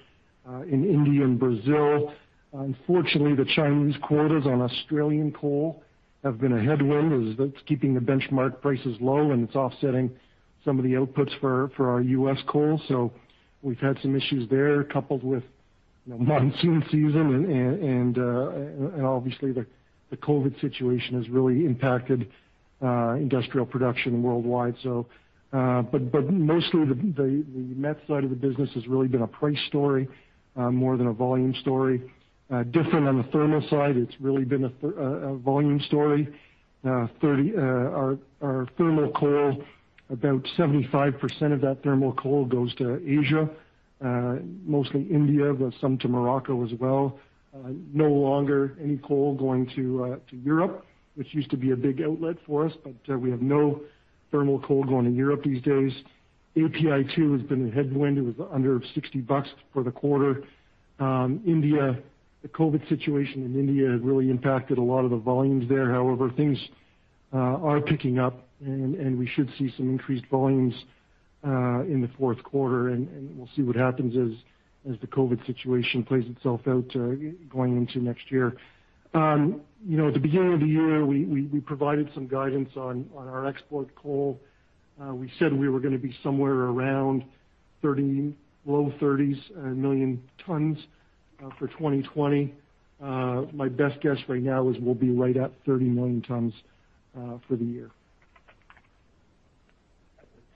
in India and Brazil. Unfortunately, the Chinese quotas on Australian coal have been a headwind, as that's keeping the benchmark prices low, and it's offsetting some of the outputs for our U.S. coal. We've had some issues there, coupled with monsoon season and obviously, the COVID situation has really impacted industrial production worldwide. Mostly, the met side of the business has really been a price story more than a volume story. Different on the thermal side. It's really been a volume story. Our thermal coal, about 75% of that thermal coal goes to Asia, mostly India, but some to Morocco as well. No longer any coal going to Europe, which used to be a big outlet for us, but we have no thermal coal going to Europe these days. API2 has been a headwind. It was under $60 for the quarter. India, the COVID situation in India has really impacted a lot of the volumes there. However, things are picking up, and we should see some increased volumes in the fourth quarter, and we'll see what happens as the COVID situation plays itself out going into next year. At the beginning of the year, we provided some guidance on our export coal. We said we were going to be somewhere around low 30s million tons for 2020. My best guess right now is we'll be right at 30 million tons for the year.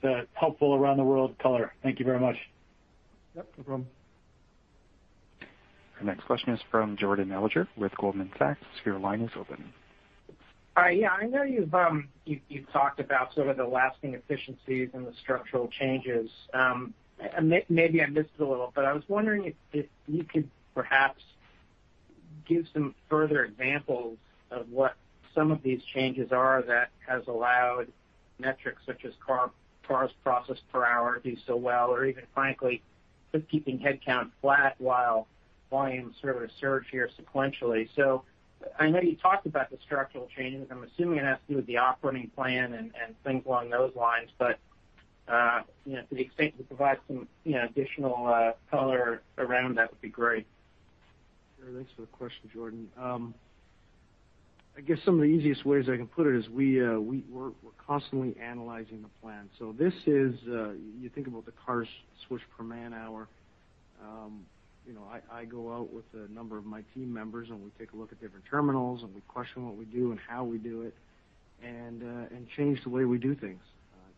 That's helpful around the world color. Thank you very much. Yep, no problem. Our next question is from Jordan Alliger with Goldman Sachs. Your line is open. Hi. Yeah, I know you've talked about sort of the lasting efficiencies and the structural changes. Maybe I missed it a little. I was wondering if you could perhaps give some further examples of what some of these changes are that has allowed metrics such as cars processed per hour do so well or even, frankly, just keeping headcount flat while volumes sort of surge here sequentially. I know you talked about the structural changes. I'm assuming it has to do with the operating plan and things along those lines. To the extent you can provide some additional color around that would be great. Sure. Thanks for the question, Jordan. I guess some of the easiest ways I can put it is we're constantly analyzing the plan. This is, you think about the cars switched per man-hour. I go out with a number of my team members, and we take a look at different terminals, and we question what we do and how we do it and change the way we do things.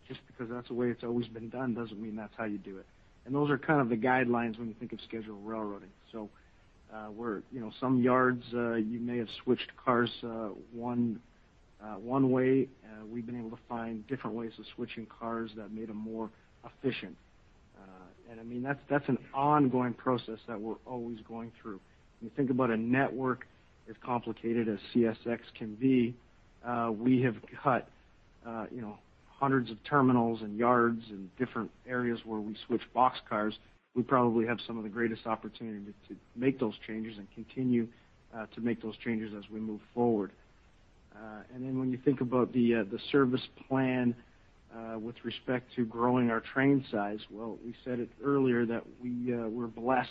Just because that's the way it's always been done doesn't mean that's how you do it. Those are kind of the guidelines when you think of scheduled railroading. Some yards you may have switched cars one way. We've been able to find different ways of switching cars that made them more efficient. I mean, that's an ongoing process that we're always going through. When you think about a network as complicated as CSX can be, we have got hundreds of terminals and yards and different areas where we switch boxcars. We probably have some of the greatest opportunity to make those changes and continue to make those changes as we move forward. When you think about the service plan with respect to growing our train size, well, we said it earlier that we were blessed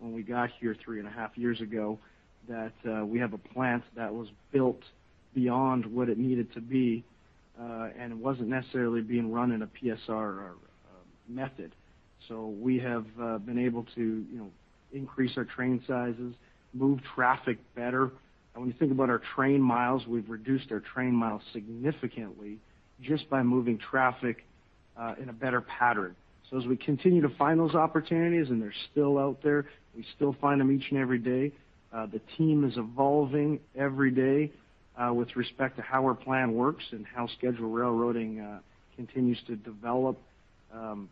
when we got here three and a half years ago that we have a plant that was built beyond what it needed to be, and it wasn't necessarily being run in a PSR method. We have been able to increase our train sizes, move traffic better. When you think about our train miles, we've reduced our train miles significantly just by moving traffic in a better pattern. As we continue to find those opportunities, and they're still out there, we still find them each and every day. The team is evolving every day with respect to how our plan works and how schedule railroading continues to develop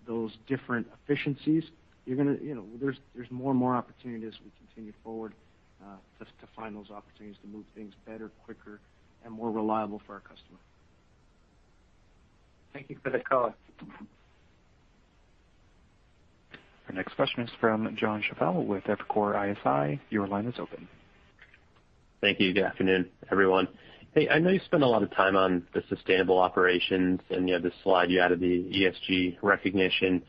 those different efficiencies. There's more and more opportunities as we continue forward to find those opportunities to move things better, quicker, and more reliable for our customer. Thank you for the color. Our next question is from Jon Chappell with Evercore ISI. Your line is open. Thank you. Good afternoon, everyone. Hey, I know you spend a lot of time on the sustainable operations, and you have this slide, you added the ESG recognition.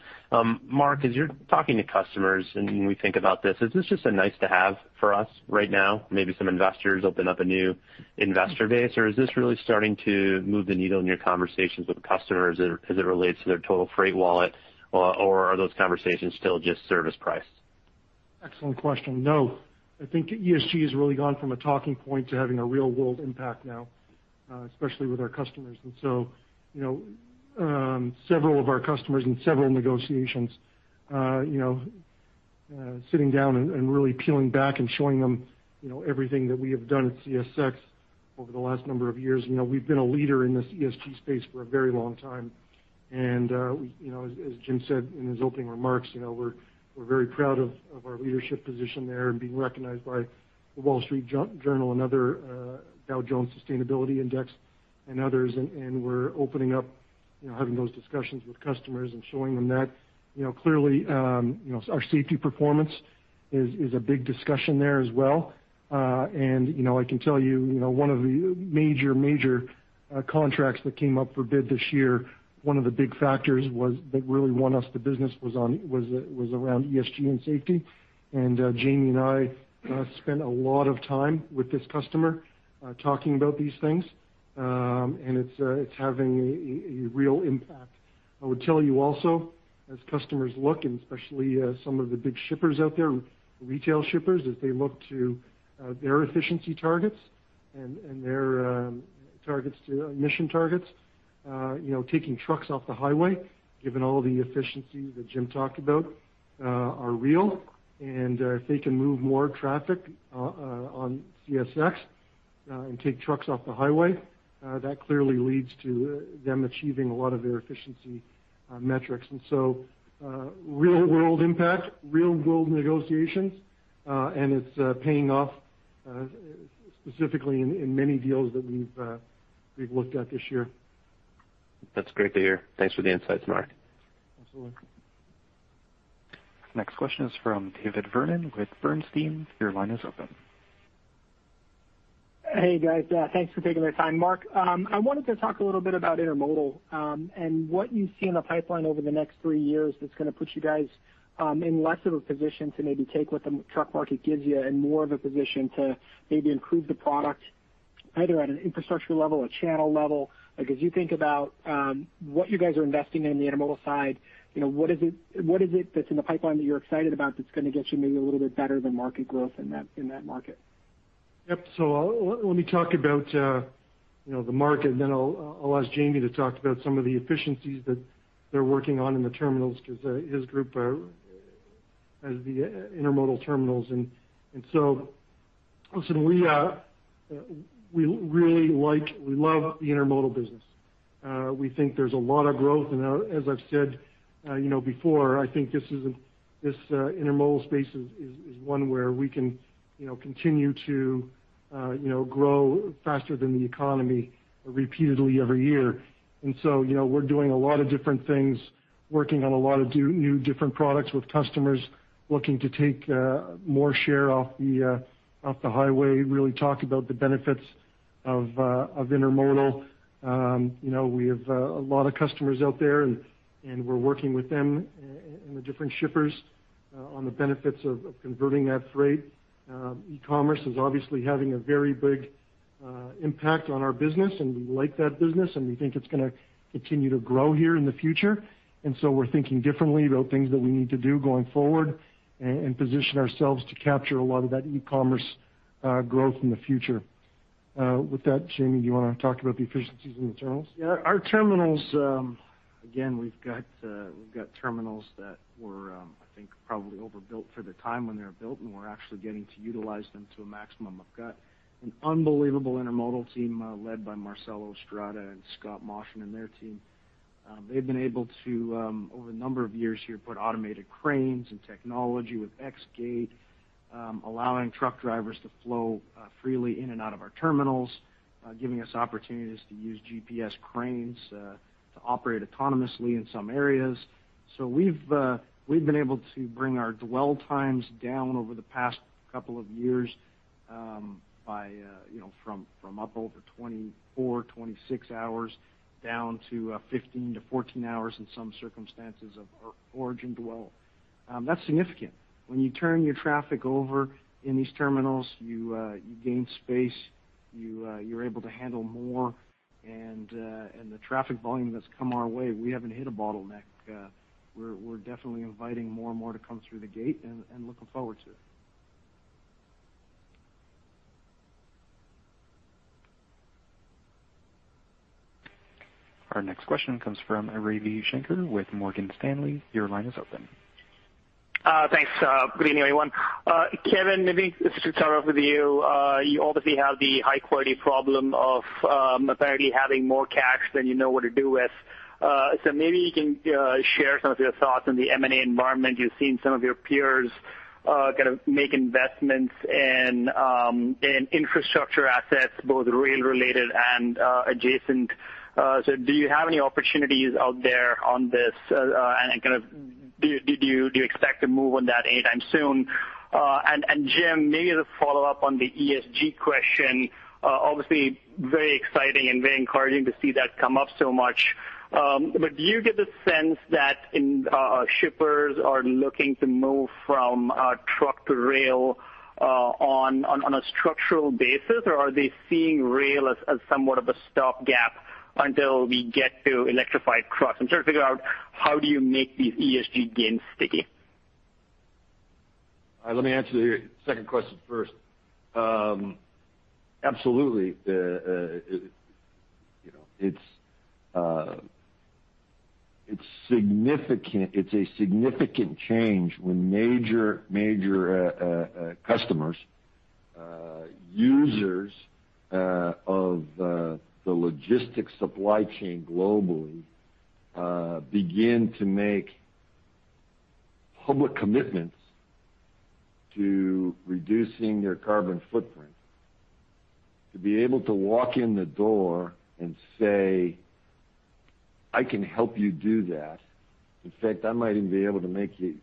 Mark, as you're talking to customers, and when we think about this, is this just a nice to have for us right now, maybe some investors open up a new investor base? Is this really starting to move the needle in your conversations with customers as it relates to their total freight wallet, or are those conversations still just service price? Excellent question. No, I think ESG has really gone from a talking point to having a real-world impact now, especially with our customers. Several of our customers in several negotiations, sitting down and really peeling back and showing them everything that we have done at CSX over the last number of years. We've been a leader in this ESG space for a very long time, and as Jim said in his opening remarks, we're very proud of our leadership position there and being recognized by The Wall Street Journal and other Dow Jones Sustainability Index and others. We're opening up having those discussions with customers and showing them that. Clearly, our safety performance is a big discussion there as well. I can tell you, one of the major contracts that came up for bid this year, one of the big factors that really won us the business was around ESG and safety. Jamie and I spent a lot of time with this customer talking about these things, and it's having a real impact. I would tell you also, as customers look, and especially some of the big shippers out there, retail shippers, as they look to their efficiency targets and their emission targets, taking trucks off the highway, given all the efficiencies that Jim talked about, are real. If they can move more traffic on CSX and take trucks off the highway, that clearly leads to them achieving a lot of their efficiency metrics. Real-world impact, real-world negotiations, and it's paying off specifically in many deals that we've looked at this year. That's great to hear. Thanks for the insights, Mark. Absolutely. Next question is from David Vernon with Bernstein. Your line is open. Hey, guys. Thanks for taking the time. Mark, I wanted to talk a little bit about intermodal, and what you see in the pipeline over the next three years that's going to put you guys in less of a position to maybe take what the truck market gives you and more of a position to maybe improve the product, either at an infrastructure level, a channel level. As you think about what you guys are investing in, the intermodal side, what is it that's in the pipeline that you're excited about that's going to get you maybe a little bit better than market growth in that market? Yep. Let me talk about the market, and then I'll ask Jamie to talk about some of the efficiencies that they're working on in the terminals because his group has the intermodal terminals. Listen, we really like, we love the intermodal business. We think there's a lot of growth, and as I've said before, I think this intermodal space is one where we can continue to grow faster than the economy repeatedly every year. We're doing a lot of different things, working on a lot of new, different products with customers, looking to take more share off the highway, really talk about the benefits of intermodal. We have a lot of customers out there, and we're working with them and the different shippers on the benefits of converting that freight. E-commerce is obviously having a very big impact on our business, we like that business, and we think it's going to continue to grow here in the future. We're thinking differently about things that we need to do going forward and position ourselves to capture a lot of that e-commerce growth in the future. Jamie, do you want to talk about the efficiencies in the terminals? Our terminals, again, we've got terminals that were, I think, probably overbuilt for the time when they were built, and we're actually getting to utilize them to a maximum. I've got an unbelievable intermodal team led by Marcelo Estrada and Scott Movshin and their team. They've been able to, over a number of years here, put automated cranes and technology with XGate, allowing truck drivers to flow freely in and out of our terminals, giving us opportunities to use GPS cranes to operate autonomously in some areas. We've been able to bring our dwell times down over the past couple of years from up over 24, 26 hours down to 15 to 14 hours in some circumstances of origin dwell. That's significant. When you turn your traffic over in these terminals, you gain space, you're able to handle more, and the traffic volume that's come our way, we haven't hit a bottleneck. We're definitely inviting more and more to come through the gate and looking forward to it. Our next question comes from Ravi Shanker with Morgan Stanley. Your line is open. Thanks. Good evening, everyone. Kevin, maybe just to start off with you. You obviously have the high quality problem of apparently having more cash than you know what to do with. Maybe you can share some of your thoughts on the M&A environment. You've seen some of your peers kind of make investments in infrastructure assets, both rail related and adjacent. Do you have any opportunities out there on this? Do you expect to move on that anytime soon? Jim, maybe as a follow-up on the ESG question, obviously very exciting and very encouraging to see that come up so much. Do you get the sense that shippers are looking to move from truck to rail on a structural basis, or are they seeing rail as somewhat of a stopgap until we get to electrified trucks? I'm trying to figure out how do you make these ESG gains sticky? Let me answer your second question first. Absolutely. It's a significant change when major customers, users of the logistics supply chain globally, begin to make public commitments to reducing their carbon footprint. To be able to walk in the door and say, "I can help you do that. In fact, I might even be able to make you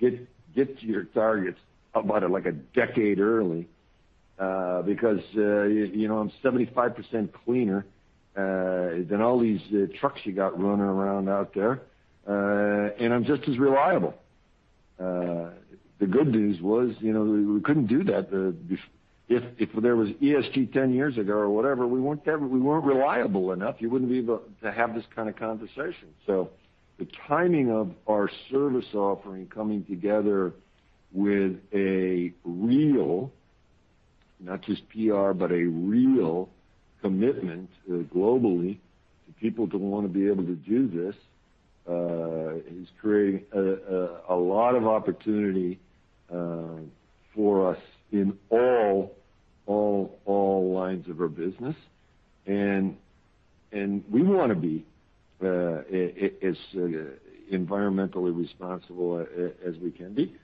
get to your targets about a decade early because I'm 75% cleaner than all these trucks you got running around out there, and I'm just as reliable." The good news was, we couldn't do that if there was ESG 10 years ago or whatever. We weren't reliable enough. You wouldn't be able to have this kind of conversation. The timing of our service offering coming together with a real, not just PR, but a real commitment globally to people to want to be able to do this is creating a lot of opportunity for us in all lines of our business. We want to be as environmentally responsible as we can be.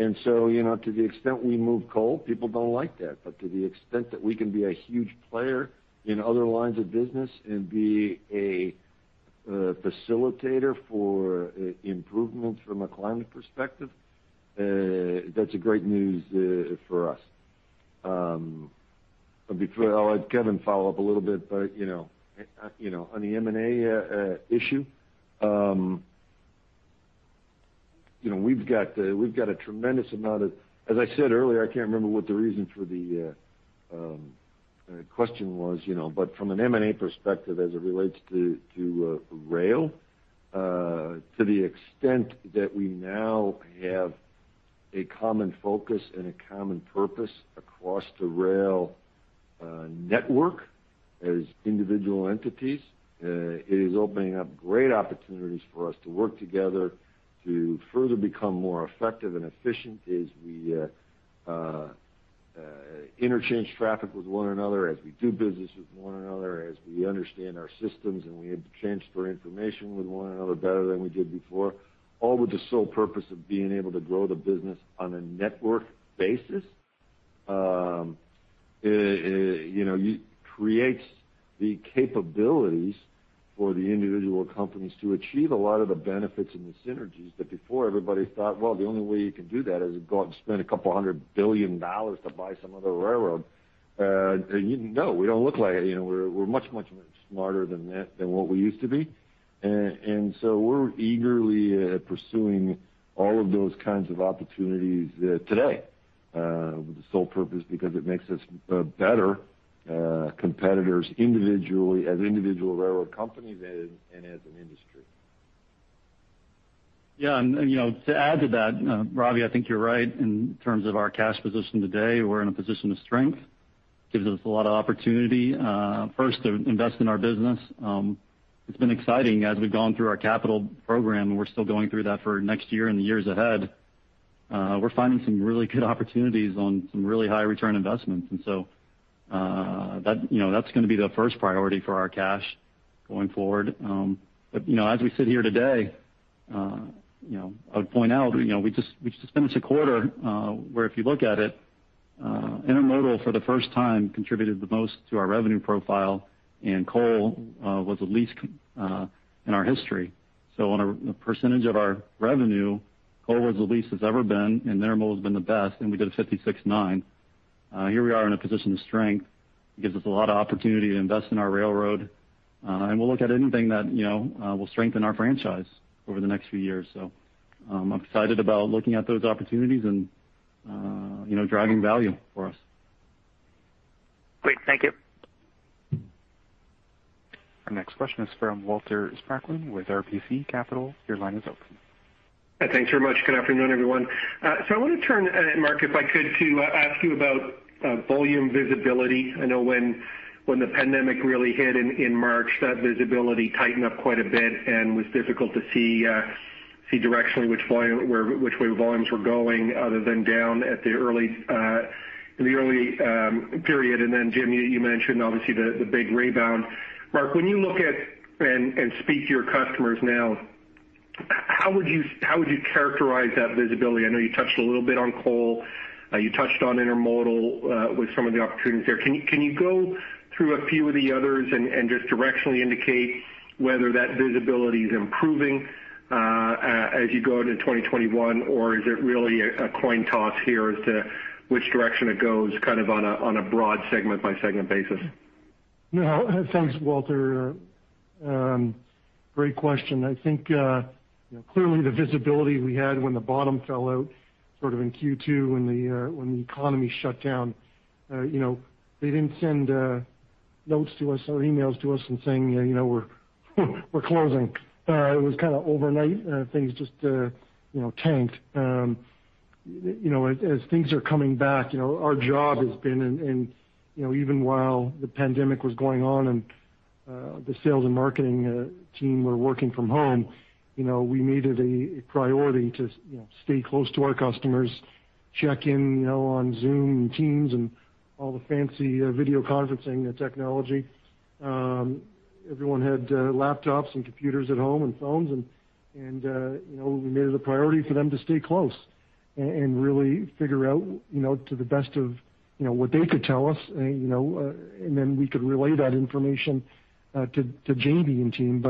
To the extent we move coal, people don't like that. To the extent that we can be a huge player in other lines of business and be a facilitator for improvements from a climate perspective, that's great news for us. I'll let Kevin follow up a little bit, but on the M&A issue, we've got a tremendous amount of-- As I said earlier, I can't remember what the reason for the question was, but from an M&A perspective as it relates to rail, to the extent that we now have a common focus and a common purpose across the rail network as individual entities, it is opening up great opportunities for us to work together to further become more effective and efficient as we interchange traffic with one another, as we do business with one another, as we understand our systems and we exchange information with one another better than we did before, all with the sole purpose of being able to grow the business on a network basis. It creates the capabilities for the individual companies to achieve a lot of the benefits and the synergies that before everybody thought, well, the only way you can do that is go out and spend $200 billion to buy some other railroad. No, we don't look like it. We're much smarter than that, than what we used to be. We're eagerly pursuing all of those kinds of opportunities today with the sole purpose because it makes us better competitors individually as individual railroad companies and as an industry. Yeah, to add to that, Ravi, I think you're right in terms of our cash position today. We're in a position of strength. Gives us a lot of opportunity, first, to invest in our business. It's been exciting as we've gone through our capital program, and we're still going through that for next year and the years ahead. We're finding some really good opportunities on some really high return investments. That's going to be the first priority for our cash going forward. As we sit here today, I would point out we just finished a quarter where, if you look at it, intermodal for the first time contributed the most to our revenue profile, and coal was the least in our history. On a percentage of our revenue, coal was the least it's ever been, and intermodal has been the best, and we did a 56.9%. Here we are in a position of strength. It gives us a lot of opportunity to invest in our railroad, and we'll look at anything that will strengthen our franchise over the next few years. I'm excited about looking at those opportunities and driving value for us. Great. Thank you. Our next question is from Walter Spracklin with RBC Capital. Your line is open. Thanks very much. Good afternoon, everyone. I want to turn, Mark, if I could, to ask you about volume visibility. I know when the pandemic really hit in March, that visibility tightened up quite a bit and was difficult to see directionally which way volumes were going other than down in the early period. Jim, you mentioned obviously the big rebound. Mark, when you look at and speak to your customers now, how would you characterize that visibility? I know you touched a little bit on coal. You touched on intermodal with some of the opportunities there. Can you go through a few of the others and just directionally indicate whether that visibility is improving as you go into 2021, or is it really a coin toss here as to which direction it goes on a broad segment-by-segment basis? Thanks, Walter. Great question. I think clearly the visibility we had when the bottom fell out in Q2 when the economy shut down, they didn't send notes to us or emails to us saying "We're closing." It was kind of overnight, things just tanked. As things are coming back, our job has been, and even while the pandemic was going on and the sales and marketing team were working from home, we made it a priority to stay close to our customers, check in on Zoom and Teams and all the fancy video conferencing technology. Everyone had laptops and computers at home and phones, and we made it a priority for them to stay close and really figure out to the best of what they could tell us, and then we could relay that information to Jamie and team.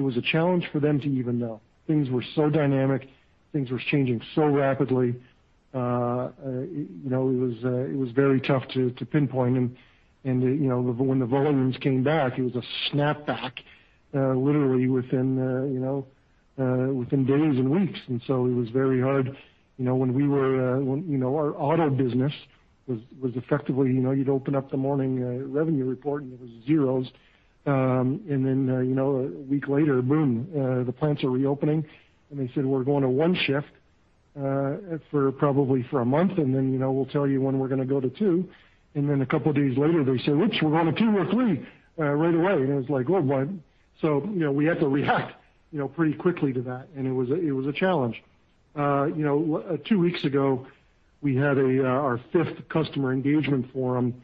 It was a challenge for them to even know. Things were so dynamic. Things were changing so rapidly. It was very tough to pinpoint. When the volumes came back, it was a snap back, literally within days and weeks, and so it was very hard. Our auto business was effectively, you'd open up the morning revenue report, and it was zeros. A week later, boom, the plants are reopening, and they said, "We're going to one shift probably for a month, and then we'll tell you when we're going to go to two." A couple of days later, they say, "Oops, we're going to two or three right away." It was like, "What." We had to react pretty quickly to that, and it was a challenge. Two weeks ago, we had our fifth customer engagement forum.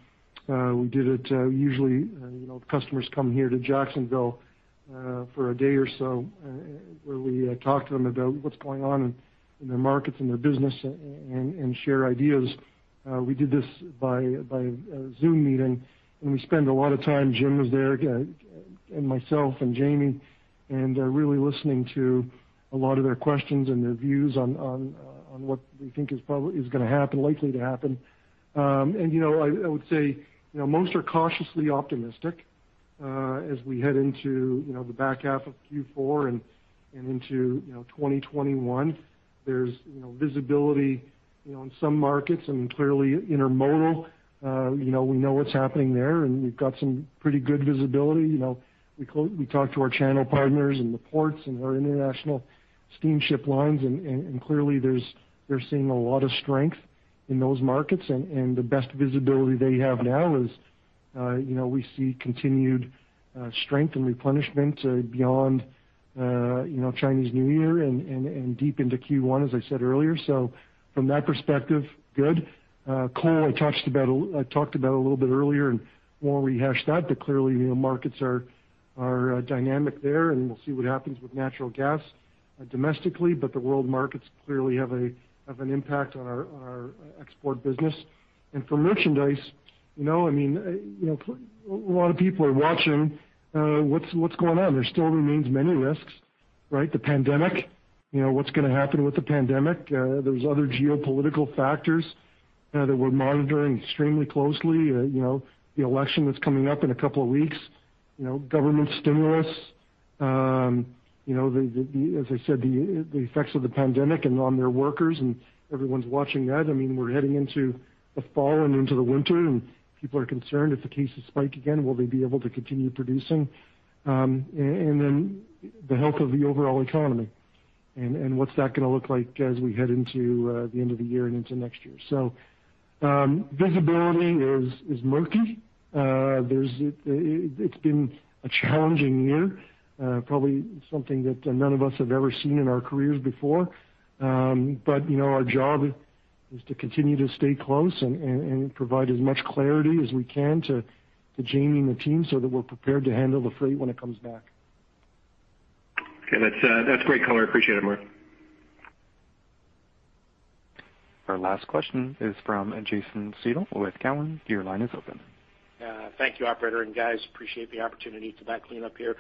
Usually, customers come here to Jacksonville for a day or so where we talk to them about what's going on in their markets and their business and share ideas. We did this by Zoom meeting, and we spend a lot of time, Jim was there, and myself and Jamie, and really listening to a lot of their questions and their views on what they think is going to happen, likely to happen. I would say, most are cautiously optimistic as we head into the back half of Q4 and into 2021. There's visibility in some markets, and clearly intermodal, we know what's happening there, and we've got some pretty good visibility. We talk to our channel partners in the ports and our international steamship lines, and clearly they're seeing a lot of strength in those markets, and the best visibility they have now is we see continued strength and replenishment beyond Chinese New Year and deep into Q1, as I said earlier. From that perspective, good. Coal, I talked about a little bit earlier and won't rehash that, but clearly markets are dynamic there, and we'll see what happens with natural gas domestically, but the world markets clearly have an impact on our export business. For merchandise, a lot of people are watching what's going on. There still remains many risks, right? The pandemic, what's going to happen with the pandemic? There's other geopolitical factors that we're monitoring extremely closely. The election that's coming up in a couple of weeks, government stimulus. As I said, the effects of the pandemic and on their workers, and everyone's watching that. We're heading into the fall and into the winter, and people are concerned if the cases spike again, will they be able to continue producing? The health of the overall economy and what's that going to look like as we head into the end of the year and into next year. Visibility is murky. It's been a challenging year, probably something that none of us have ever seen in our careers before. Our job is to continue to stay close and provide as much clarity as we can to Jamie and the team so that we're prepared to handle the freight when it comes back. Okay. That's great color. Appreciate it, Mark. Our last question is from Jason Seidl with Cowen. Your line is open. Thank you, operator, and guys, appreciate the opportunity to bat cleanup here.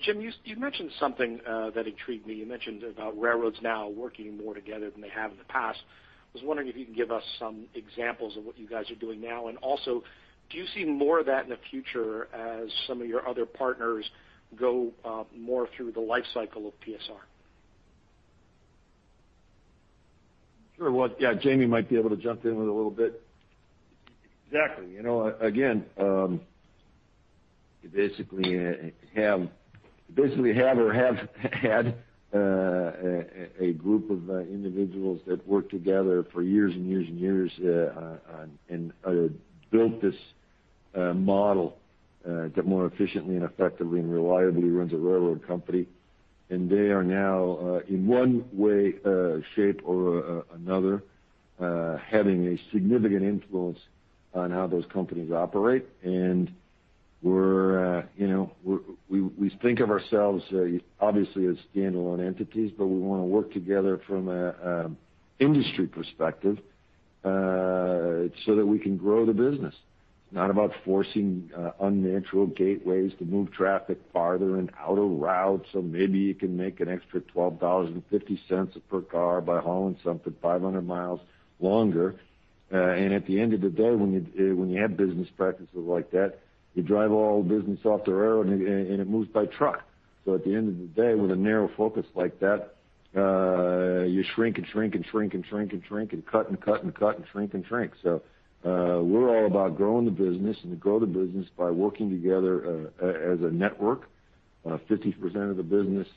Jim, you mentioned something that intrigued me. You mentioned about railroads now working more together than they have in the past. I was wondering if you can give us some examples of what you guys are doing now, and also, do you see more of that in the future as some of your other partners go more through the life cycle of PSR? Sure. Well, yeah, Jamie might be able to jump in with a little bit. Exactly. Again, you basically have or have had a group of individuals that worked together for years and years and years and built this model that more efficiently and effectively and reliably runs a railroad company. They are now, in one way, shape, or another, having a significant influence on how those companies operate. We think of ourselves obviously as standalone entities, but we want to work together from an industry perspective so that we can grow the business. It's not about forcing unnatural gateways to move traffic farther and out of route, so maybe you can make an extra $12.50 per car by hauling something 500 miles longer. At the end of the day, when you have business practices like that, you drive all business off the rail and it moves by truck. At the end of the day, with a narrow focus like that, you shrink and shrink and shrink and shrink and shrink and cut and cut and cut and shrink and shrink. We're all about growing the business and to grow the business by working together as a network. 50% of the business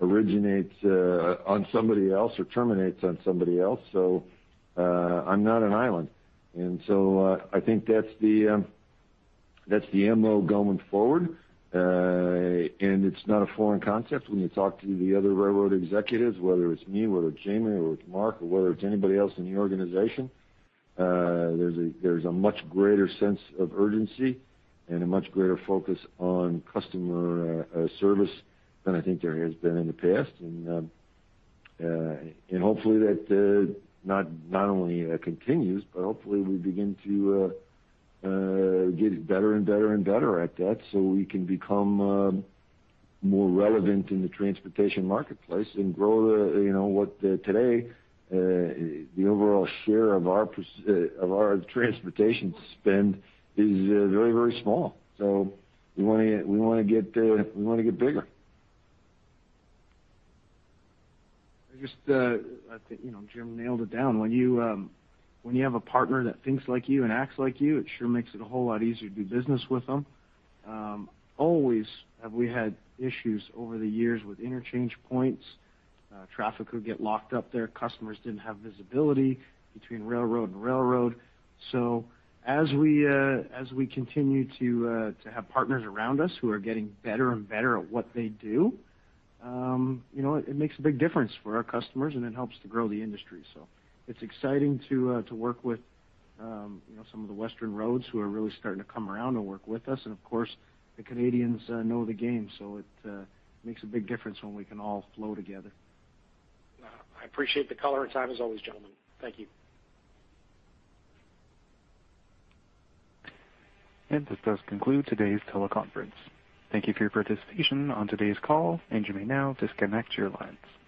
originates on somebody else or terminates on somebody else, so I'm not an island. I think that's the MO going forward. It's not a foreign concept when you talk to the other railroad executives, whether it's me, whether it's Jamie, or it's Mark, or whether it's anybody else in the organization. There's a much greater sense of urgency and a much greater focus on customer service than I think there has been in the past. Hopefully that not only continues, but hopefully we begin to get better and better and better at that so we can become more relevant in the transportation marketplace and grow what today, the overall share of our transportation spend is very, very small. We want to get bigger. I think Jim nailed it down. When you have a partner that thinks like you and acts like you, it sure makes it a whole lot easier to do business with them. Always have we had issues over the years with interchange points. Traffic would get locked up there. Customers didn't have visibility between railroad and railroad. As we continue to have partners around us who are getting better and better at what they do, it makes a big difference for our customers, and it helps to grow the industry. It's exciting to work with some of the Western roads who are really starting to come around and work with us, and of course, the Canadians know the game, so it makes a big difference when we can all flow together. I appreciate the color and time as always, gentlemen. Thank you. This does conclude today's teleconference. Thank you for your participation on today's call, and you may now disconnect your lines.